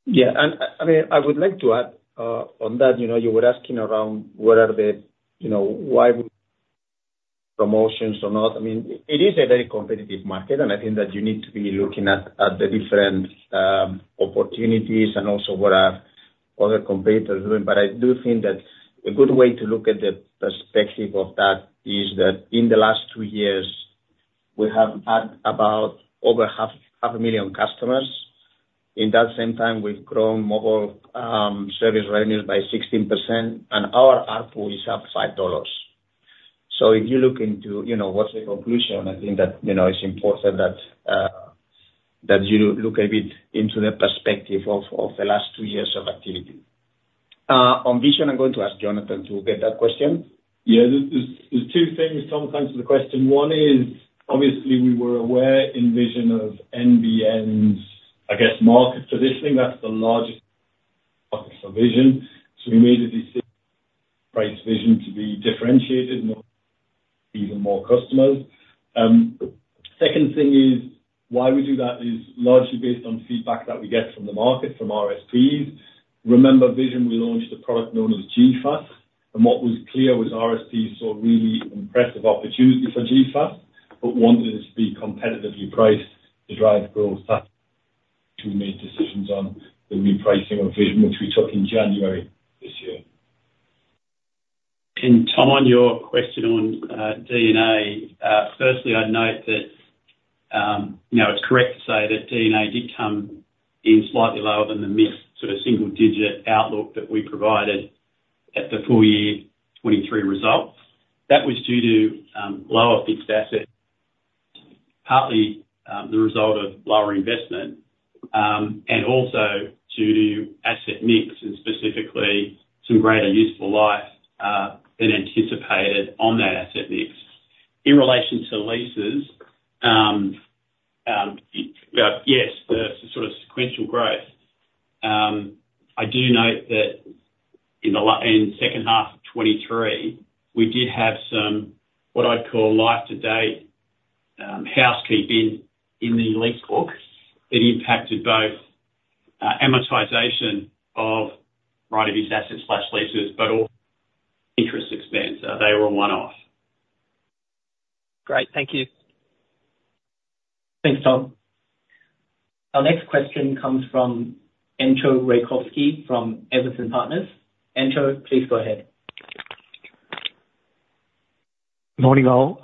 Yeah, and I mean, I would like to add on that, you know, you were asking around what are the, you know, why would promotions or not? I mean, it is a very competitive market, and I think that you need to be looking at the different opportunities, and also what are other competitors doing. But I do think that a good way to look at the perspective of that is that in the last two years, we have had about over 500,000 customers. In that same time, we've grown mobile service revenues by 16%, and our ARPU is up 5 dollars. So if you look into, you know, what's the conclusion, I think that, you know, it's important that that you look a bit into the perspective of the last two years of activity. On Vision, I'm going to ask Jonathan to get that question. Yeah, there are two things, Tom, thanks for the question. One is, obviously, we were aware in Vision of NBN's, I guess, market positioning. That's the largest office for Vision, so we made a decision price Vision to be differentiated and even more customers. Second thing is, why we do that is largely based on feedback that we get from the market, from RSPs. Remember, Vision, we launched a product known as G.fast, and what was clear was RSPs saw a really impressive opportunity for G.fast, but wanted us to be competitively priced to drive growth that we made decisions on the repricing of Vision, which we took in January this year. And Tom, on your question on D&A, firstly, I'd note that, you know, it's correct to say that D&A did come in slightly lower than the mid, sort of single digit outlook that we provided at the full year 2023 results. That was due to lower fixed asset, partly, the result of lower investment, and also to asset mix, and specifically some greater useful life than anticipated on that asset mix. In relation to leases, yes, the sort of sequential growth, I do note that in the second half of 2023, we did have some, what I'd call year to date housekeeping in the lease book. It impacted both amortization of right-of-use assets/leases, but also interest expense. They were a one-off. Great. Thank you. Thanks, Tom. Our next question comes from Entcho Raykovski from Evans and Partners. Entcho, please go ahead. Morning, all.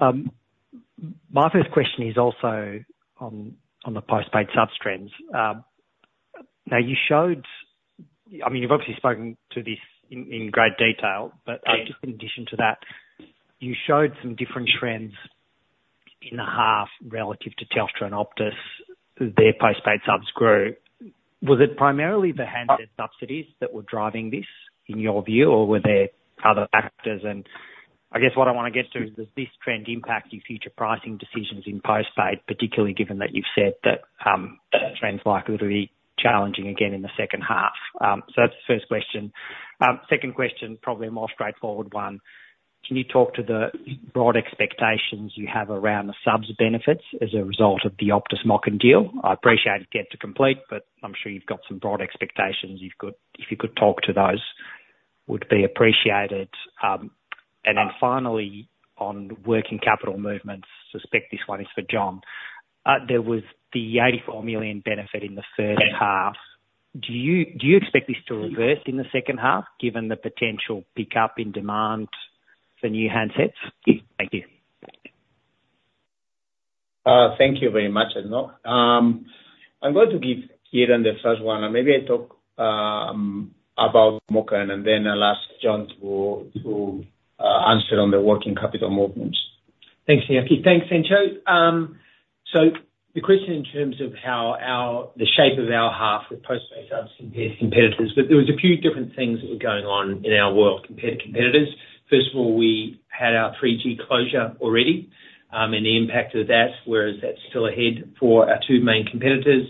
My first question is also on the postpaid subs trends. Now, you showed... I mean, you've obviously spoken to this in great detail- Yeah. but, just in addition to that, you showed some different trends in the half relative to Telstra and Optus, their postpaid subs grew. Was it primarily the handset subsidies that were driving this, in your view, or were there other factors? And I guess what I wanna get to, does this trend impact your future pricing decisions in postpaid, particularly given that you've said that, the trend's likely to be challenging again in the second half? So that's the first question. Second question, probably a more straightforward one: Can you talk to the broad expectations you have around the subs benefits as a result of the Optus MOCN deal? I appreciate it's yet to complete, but I'm sure you've got some broad expectations. You've got-- If you could talk to those, would be appreciated. And then finally, on working capital movements, I suspect this one is for John. There was the 84 million benefit in the first half. Do you expect this to reverse in the second half, given the potential pickup in demand for new handsets? Thank you. Thank you very much, Entcho. I'm going to give Kieren the first one, and maybe I talk about MOCN, and then I'll ask John to answer on the working capital movements. Thanks, Iñaki. Thanks. So the question in terms of how the shape of our half with postpaid subs compared to competitors, but there was a few different things that were going on in our world, compared to competitors. First of all, we had our 3G closure already, and the impact of that, whereas that's still ahead for our two main competitors.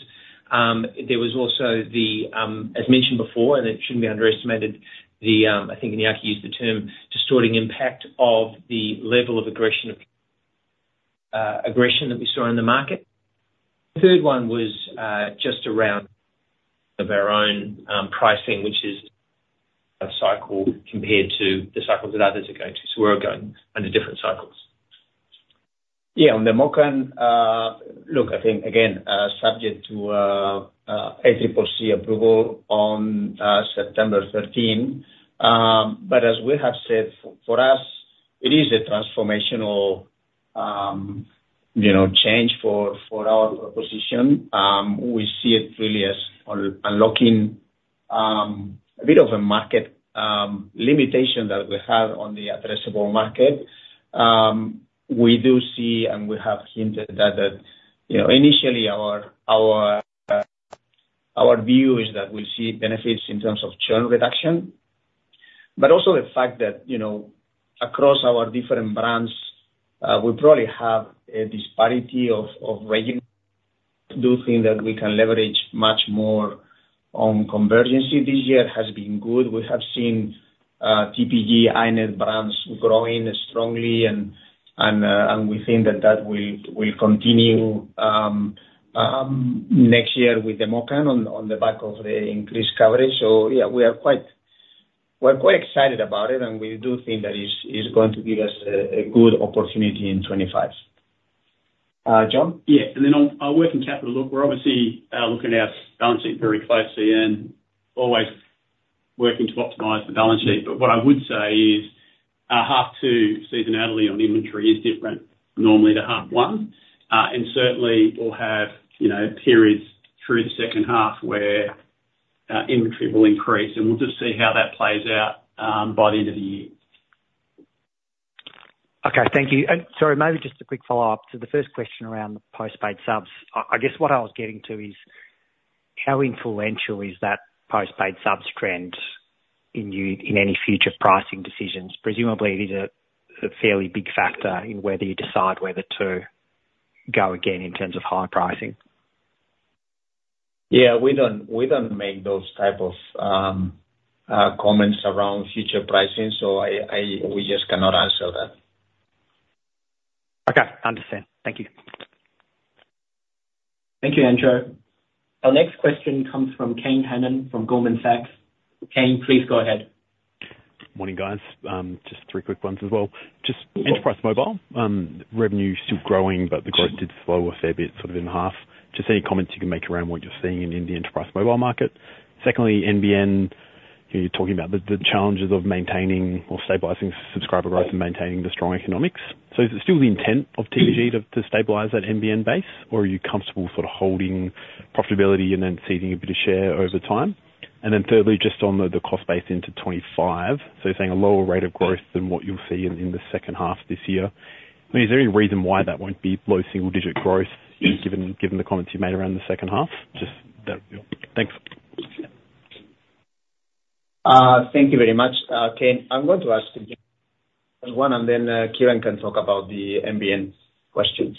There was also, as mentioned before, and it shouldn't be underestimated, I think Iñaki used the term, distorting impact of the level of aggression that we saw in the market. Third one was just around our own pricing, which is a cycle compared to the cycles that others are going to. So we're going under different cycles. Yeah, on the MOCN, look, I think again, subject to ACCC approval on September 13th, but as we have said, for us, it is a transformational, you know, change for our position. We see it really as unlocking a bit of a market limitation that we have on the addressable market. We do see, and we have hinted that, you know, initially our view is that we'll see benefits in terms of churn reduction, but also the fact that, you know, across our different brands, we probably have a disparity of revenue. Do think that we can leverage much more on convergence this year has been good. We have seen TPG, iiNet brands growing strongly, and we think that will continue next year with the MOCN on the back of the increased coverage. So yeah, we are quite excited about it, and we do think that it's going to give us a good opportunity in 2025. John? Yeah, and then on our working capital, look, we're obviously looking at our balance sheet very closely and always working to optimize the balance sheet. But what I would say is, our half two seasonality on inventory is different normally to half one. And certainly we'll have, you know, periods through the second half where inventory will increase, and we'll just see how that plays out by the end of the year. Okay, thank you. Sorry, maybe just a quick follow-up to the first question around the postpaid subs. I guess what I was getting to is, how influential is that postpaid subs trend in you, in any future pricing decisions? Presumably, it is a fairly big factor in whether you decide to go again in terms of higher pricing. Yeah, we don't make those type of comments around future pricing, so we just cannot answer that. Okay, understand. Thank you. Thank you, Entcho. Our next question comes from Kane Hannan, from Goldman Sachs. Kane, please go ahead. Morning, guys. Just three quick ones as well. Just- Sure. Enterprise mobile. Revenue is still growing, but the growth did slow a fair bit, sort of in half. Just any comments you can make around what you're seeing in the Enterprise mobile market? Secondly, NBN, you're talking about the challenges of maintaining or stabilizing subscriber growth and maintaining the strong economics. So is it still the intent of TPG to stabilize that NBN base, or are you comfortable sort of holding profitability and then ceding a bit of share over time? And then thirdly, just on the cost base into 2025. So you're saying a lower rate of growth than what you'll see in the second half this year. I mean, is there any reason why that won't be low single digit growth, given the comments you made around the second half? Just that. Thanks. Thank you very much, Kane. I'm going to ask the first one, and then, Kieren can talk about the NBN questions.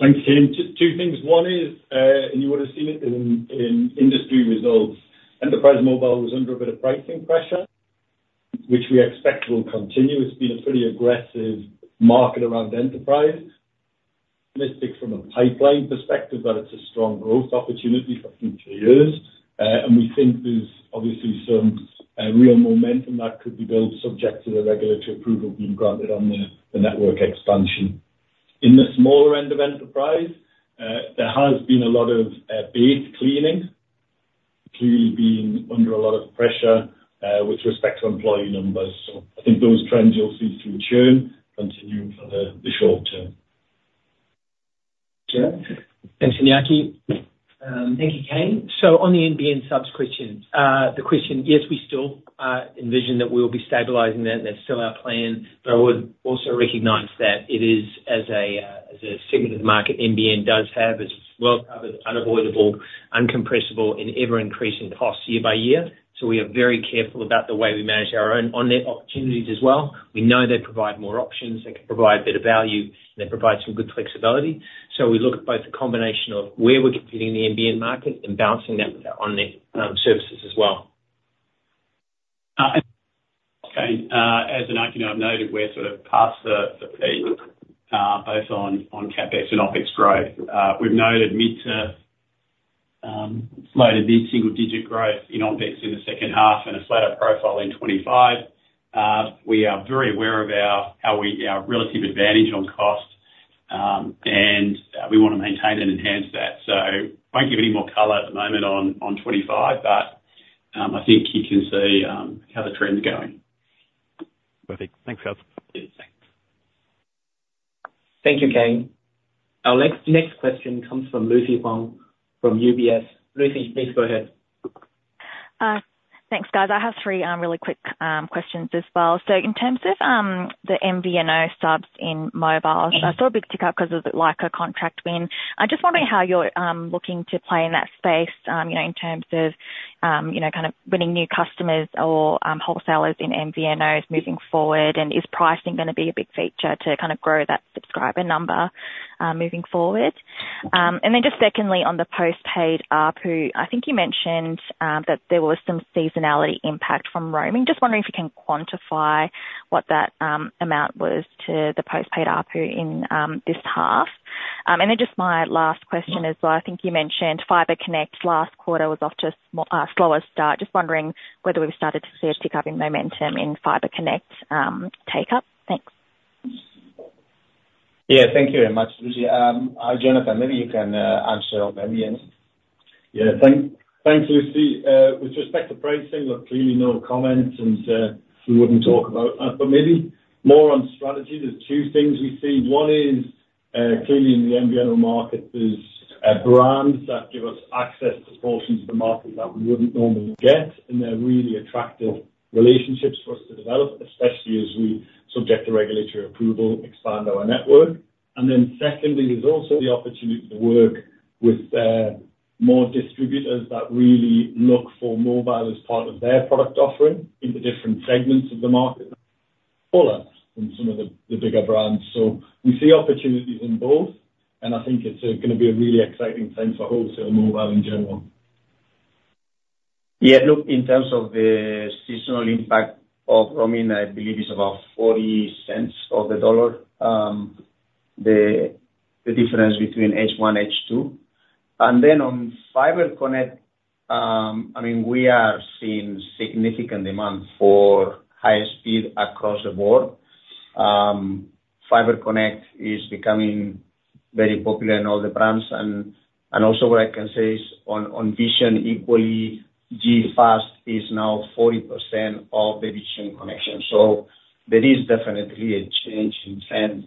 Thanks, Kane. Just two things. One is, and you would've seen it in industry results, Enterprise mobile was under a bit of pricing pressure, which we expect will continue. It's been a pretty aggressive market around Enterprise. Let's pick from a pipeline perspective, but it's a strong growth opportunity for future years. And we think there's obviously some real momentum that could be built, subject to the regulatory approval being granted on the network expansion. In the smaller end of Enterprise, there has been a lot of base cleaning. Clearly been under a lot of pressure, with respect to employee numbers, so I think those trends you'll see through churn continue for the short term. Sure. Thanks, Iñaki. Thank you, Kane. On the NBN subs question, the question, yes, we still envision that we'll be stabilizing that, that's still our plan. But I would also recognize that it is as a segment of the market, NBN does have as well covered, unavoidable, uncompressible, and ever-increasing costs year by year. So we are very careful about the way we manage our own on-net opportunities as well. We know they provide more options, they can provide better value, and they provide some good flexibility. So we look at both the combination of where we're competing in the NBN market and balancing that with our on-net services as well. And, as an outcome, I've noted we're sort of past the peak, both on CapEx and OpEx growth. We've noted mid-term-... slated the single-digit growth in OpEx in the second half and a flatter profile in 2025. We are very aware of our relative advantage on cost, and we want to maintain and enhance that. So won't give any more color at the moment on 2025, but I think you can see how the trend's going. Perfect. Thanks, guys. Yeah, thanks. Thank you, Kane. Our next question comes from Lucy Huang from UBS. Lucy, please go ahead. Thanks, guys. I have three really quick questions as well. So in terms of the MVNO subs in mobile, I saw a big tick up 'cause of, like, a contract win. I just wondering how you're looking to play in that space, you know, in terms of, you know, kind of winning new customers or wholesalers in MVNOs moving forward? And is pricing gonna be a big feature to kind of grow that subscriber number moving forward? And then just secondly, on the postpaid ARPU, I think you mentioned that there was some seasonality impact from roaming. Just wondering if you can quantify what that amount was to the postpaid ARPU in this half. And then just my last question as well: I think you mentioned Fibre Connect last quarter was off to a slower start. Just wondering whether we've started to see a tick-up in momentum in Fibre Connect take up? Thanks. Yeah, thank you very much, Lucy. Jonathan, maybe you can answer on MVNO. Yeah, thanks, Lucy. With respect to pricing, look, clearly no comment, and we wouldn't talk about that, but maybe more on strategy, there's two things we see. One is clearly in the MVNO market, there's brands that give us access to portions of the market that we wouldn't normally get, and they're really attractive relationships for us to develop, especially as we, subject to regulatory approval, expand our network. And then secondly, there's also the opportunity to work with more distributors that really look for mobile as part of their product offering in the different segments of the market, than some of the bigger brands. So we see opportunities in both, and I think it's gonna be a really exciting time for wholesale mobile in general. Yeah, look, in terms of the seasonal impact of roaming, I believe it's about 0.40 of the dollar, the difference between H1, H2. And then on Fibre Connect, I mean, we are seeing significant demand for higher speed across the board. Fibre Connect is becoming very popular in all the brands, and also what I can say is, on Vision, equally, G.fast is now 40% of the Vision connection. So there is definitely a change in trend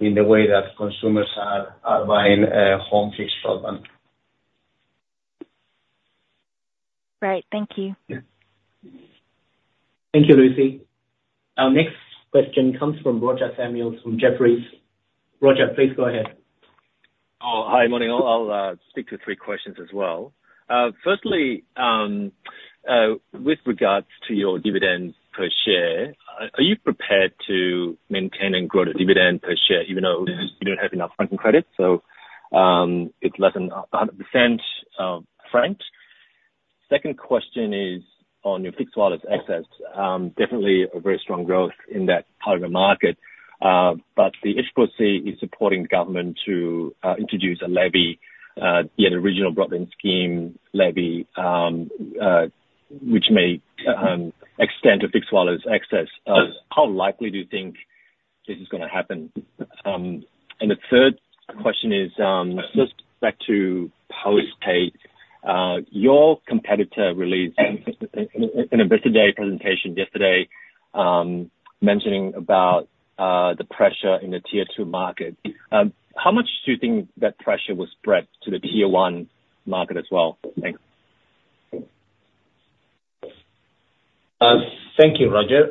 in the way that consumers are buying home fixed Broadband. Great. Thank you. Yeah. Thank you, Lucy. Our next question comes from Roger Samuel from Jefferies. Roger, please go ahead. Oh, hi, morning all. I'll stick to three questions as well. Firstly, with regards to your dividend per share, are you prepared to maintain and grow the dividend per share, even though you don't have enough franking credits, so it's less than 100%, franked? Second question is on your Fixed Wireless Access. Definitely a very strong growth in that part of the market, but the ACCC is supporting the government to introduce a levy, the Regional Broadband Scheme levy, which may extend to Fixed Wireless Access. How likely do you think this is gonna happen? And the third question is just back to postpaid, your competitor released in an Investor Day presentation yesterday, mentioning about the pressure in the Tier Two market. How much do you think that pressure will spread to the Tier One market as well? Thanks. Thank you, Roger.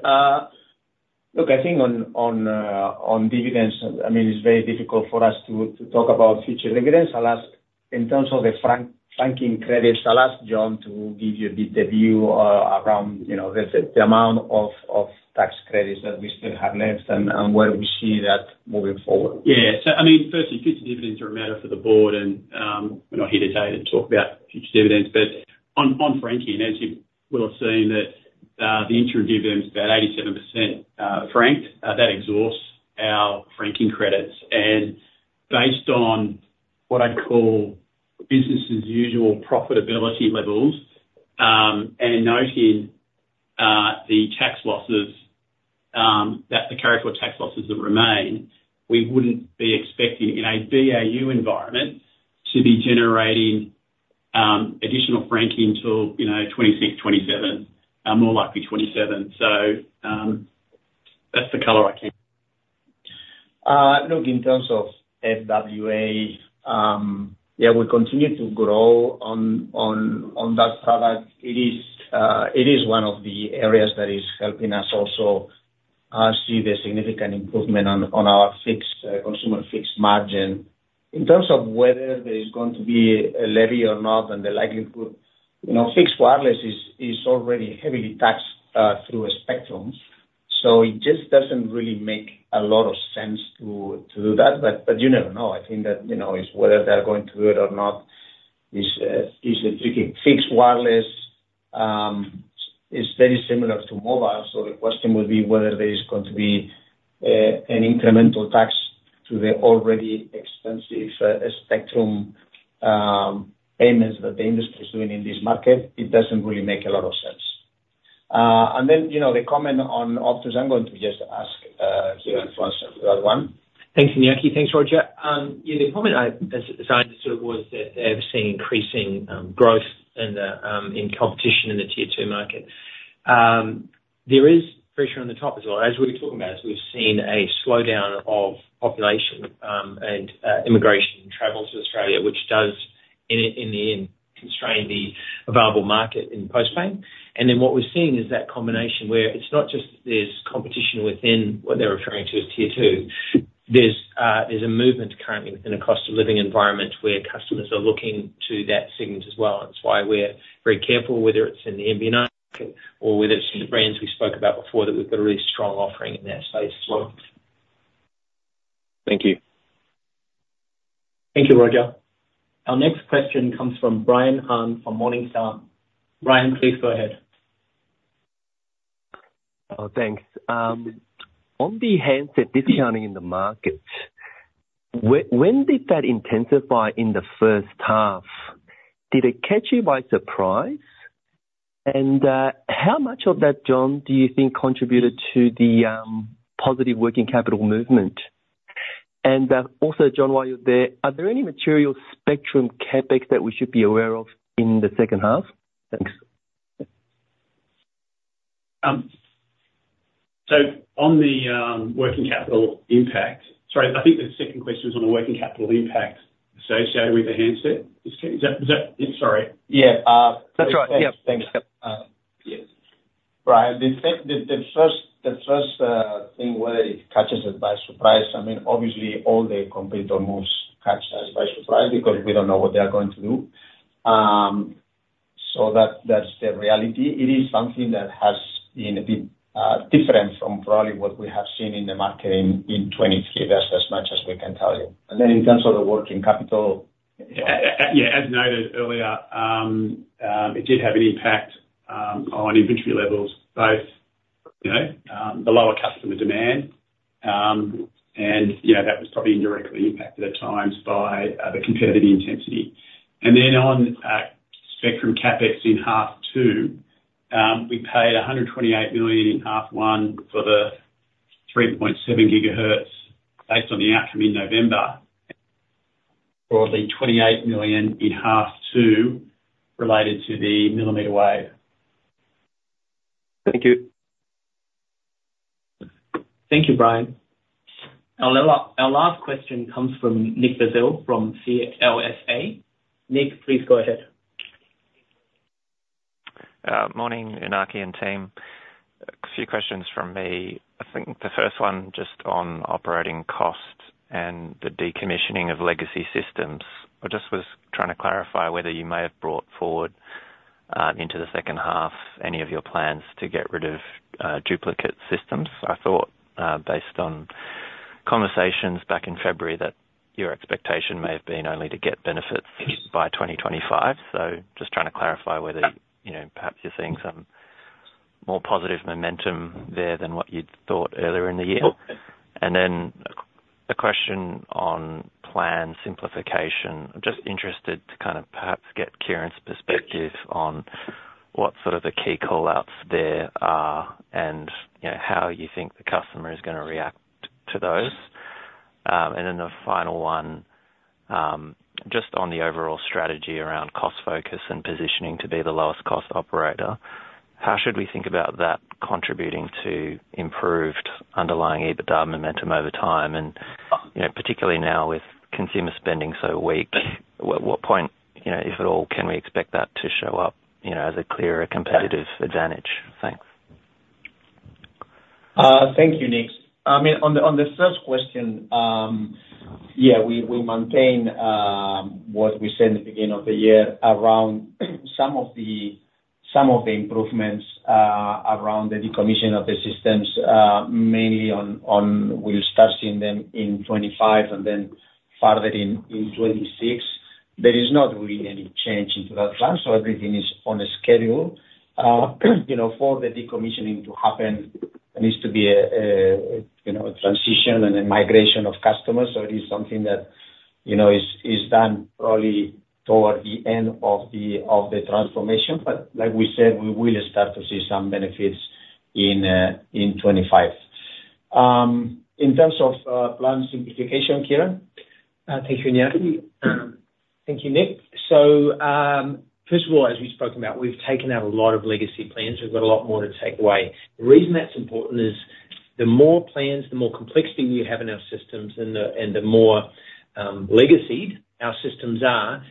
Look, I think on dividends, I mean, it's very difficult for us to talk about future dividends. I'll ask, in terms of the franking credits, I'll ask John to give you the view around the amount of tax credits that we still have left and where we see that moving forward. Yeah. So I mean, firstly, future dividends are a matter for the board and, we're not here today to talk about future dividends. But on franking, as you will have seen, that the interim dividend is about 87%, franked, that exhausts our franking credits. And based on what I'd call business as usual profitability levels, and noting the tax losses, that the character or tax losses that remain, we wouldn't be expecting, in a BAU environment, to be generating additional franking until, you know, 2026, 2027, more likely 2027. So, that's the color I can... Look, in terms of FWA, yeah, we continue to grow on that product. It is one of the areas that is helping us also see the significant improvement on our Fixed Consumer Fixed margin. In terms of whether there is going to be a levy or not, and the likelihood, you know, Fixed Wireless is already heavily taxed through a spectrum, so it just doesn't really make a lot of sense to do that. But you never know. I think that, you know, it's whether they're going to do it or not is a tricky. Fixed Wireless is very similar to mobile, so the question would be whether there is going to be an incremental tax to the already expensive spectrum payments that the industry is doing in this market. It doesn't really make a lot of sense, and then, you know, the comment on Optus, I'm going to just ask Kieren to answer that one. Thanks, Iñaki. Thanks, Roger. Yeah, the comment I decided to sort of was that they've seen increasing growth in the competition in the Tier Two market. There is pressure on the top as well. As we were talking about, as we've seen a slowdown of population and immigration and travel to Australia, which does in the end constrain the available market in postpaid. And then what we're seeing is that combination where it's not just there's competition within what they're referring to as Tier Two, there's a movement currently within a cost of living environment where customers are looking to that segment as well, and that's why we're very careful, whether it's in the MVNO or whether it's in the brands we spoke about before, that we've got a really strong offering in that space as well. Thank you. Thank you, Roger. Our next question comes from Brian Han from Morningstar. Brian, please go ahead. Oh, thanks. On the handset discounting in the market, when did that intensify in the first half? Did it catch you by surprise? And, how much of that, John, do you think contributed to the positive working capital movement? And, also, John, while you're there, are there any material spectrum CapEx that we should be aware of in the second half? Thanks. So on the working capital impact... Sorry, I think the second question is on the working capital impact associated with the handset. Excuse me, is that, is that? Yeah, sorry. Yeah, uh- That's right. Yep. Thanks. Yes. Brian, the first thing, whether it catches us by surprise, I mean, obviously all the competitor moves catch us by surprise because we don't know what they are going to do. So that, that's the reality. It is something that has been a bit different from probably what we have seen in the market in 2023. That's as much as we can tell you. And then in terms of the working capital? Yeah, and yeah, as noted earlier, it did have an impact on inventory levels, both, you know, the lower customer demand, and, you know, that was probably indirectly impacted at times by the competitive intensity. And then on spectrum CapEx in half two, we paid 128 million in half one for the 3.7 GHz based on the outcome in November, broadly 28 million in half two related to the millimeter wave. Thank you. Thank you, Brian. Our last question comes from Nick Basile from CLSA. Nick, please go ahead. Morning, Iñaki and team. A few questions from me. I think the first one, just on operating costs and the decommissioning of legacy systems. I just was trying to clarify whether you may have brought forward, into the second half any of your plans to get rid of, duplicate systems. I thought, based on conversations back in February, that your expectation may have been only to get benefits by twenty twenty-five. So just trying to clarify whether, you know, perhaps you're seeing some more positive momentum there than what you'd thought earlier in the year. Oh. Then a Q&A question on plan simplification. I'm just interested to kind of perhaps get Kieren's perspective on what sort of the key call-outs there are, and, you know, how you think the customer is gonna react to those. And then the final one, just on the overall strategy around cost focus and positioning to be the lowest cost operator, how should we think about that contributing to improved underlying EBITDA momentum over time? And, you know, particularly now with consumer spending so weak, at what point, you know, if at all, can we expect that to show up, you know, as a clearer competitive advantage? Thanks. Thank you, Nick. I mean, on the first question, yeah, we maintain what we said at the beginning of the year around some of the improvements around the decommission of the systems, mainly on, we'll start seeing them in 2025 and then farther in 2026. There is not really any change into that plan, so everything is on schedule. You know, for the decommissioning to happen, there needs to be a, you know, a transition and a migration of customers. So it is something that, you know, is done probably toward the end of the transformation. But like we said, we will start to see some benefits in 2025. In terms of plan simplification, Kieren? Thank you, Iñaki. Thank you, Nick. So, first of all, as we've spoken about, we've taken out a lot of legacy plans. We've got a lot more to take away. The reason that's important is the more plans, the more complexity we have in our systems and the more legacied our systems are,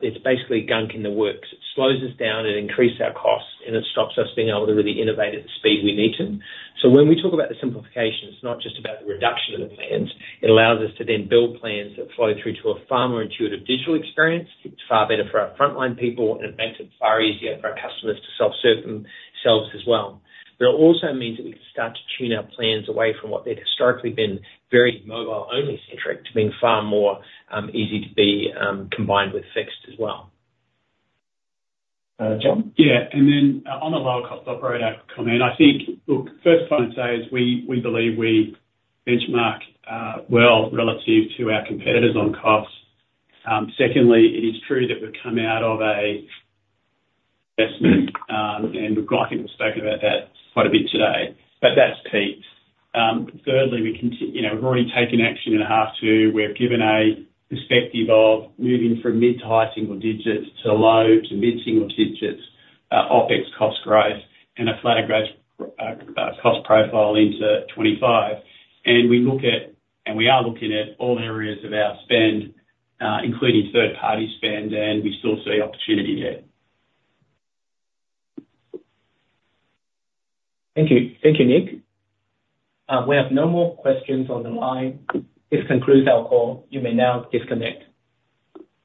it's basically gunk in the works. It slows us down, it increases our costs, and it stops us being able to really innovate at the speed we need to. So when we talk about the simplification, it's not just about the reduction of the plans, it allows us to then build plans that flow through to a far more intuitive digital experience. It's far better for our frontline people, and it makes it far easier for our customers to self-serve themselves as well. But it also means that we can start to tune our plans away from what they'd historically been, very mobile-only centric, to being far more, easy to be, combined with fixed as well. Uh, John? Yeah, and then on the lower cost operator comment, I think. Look, first, I want to say is we believe we benchmark well relative to our competitors on costs. Secondly, it is true that we've come out of an investment, and I think we've spoken about that quite a bit today, but that's peaked. Thirdly, you know, we've already taken action in half two. We've given a perspective of moving from mid- to high-single digits to low- to mid-single digits OpEx cost growth and a flatter growth cost profile into 2025. We look at, and we are looking at all areas of our spend, including third-party spend, and we still see opportunity there. Thank you. Thank you, Nick. We have no more questions on the line. This concludes our call. You may now disconnect.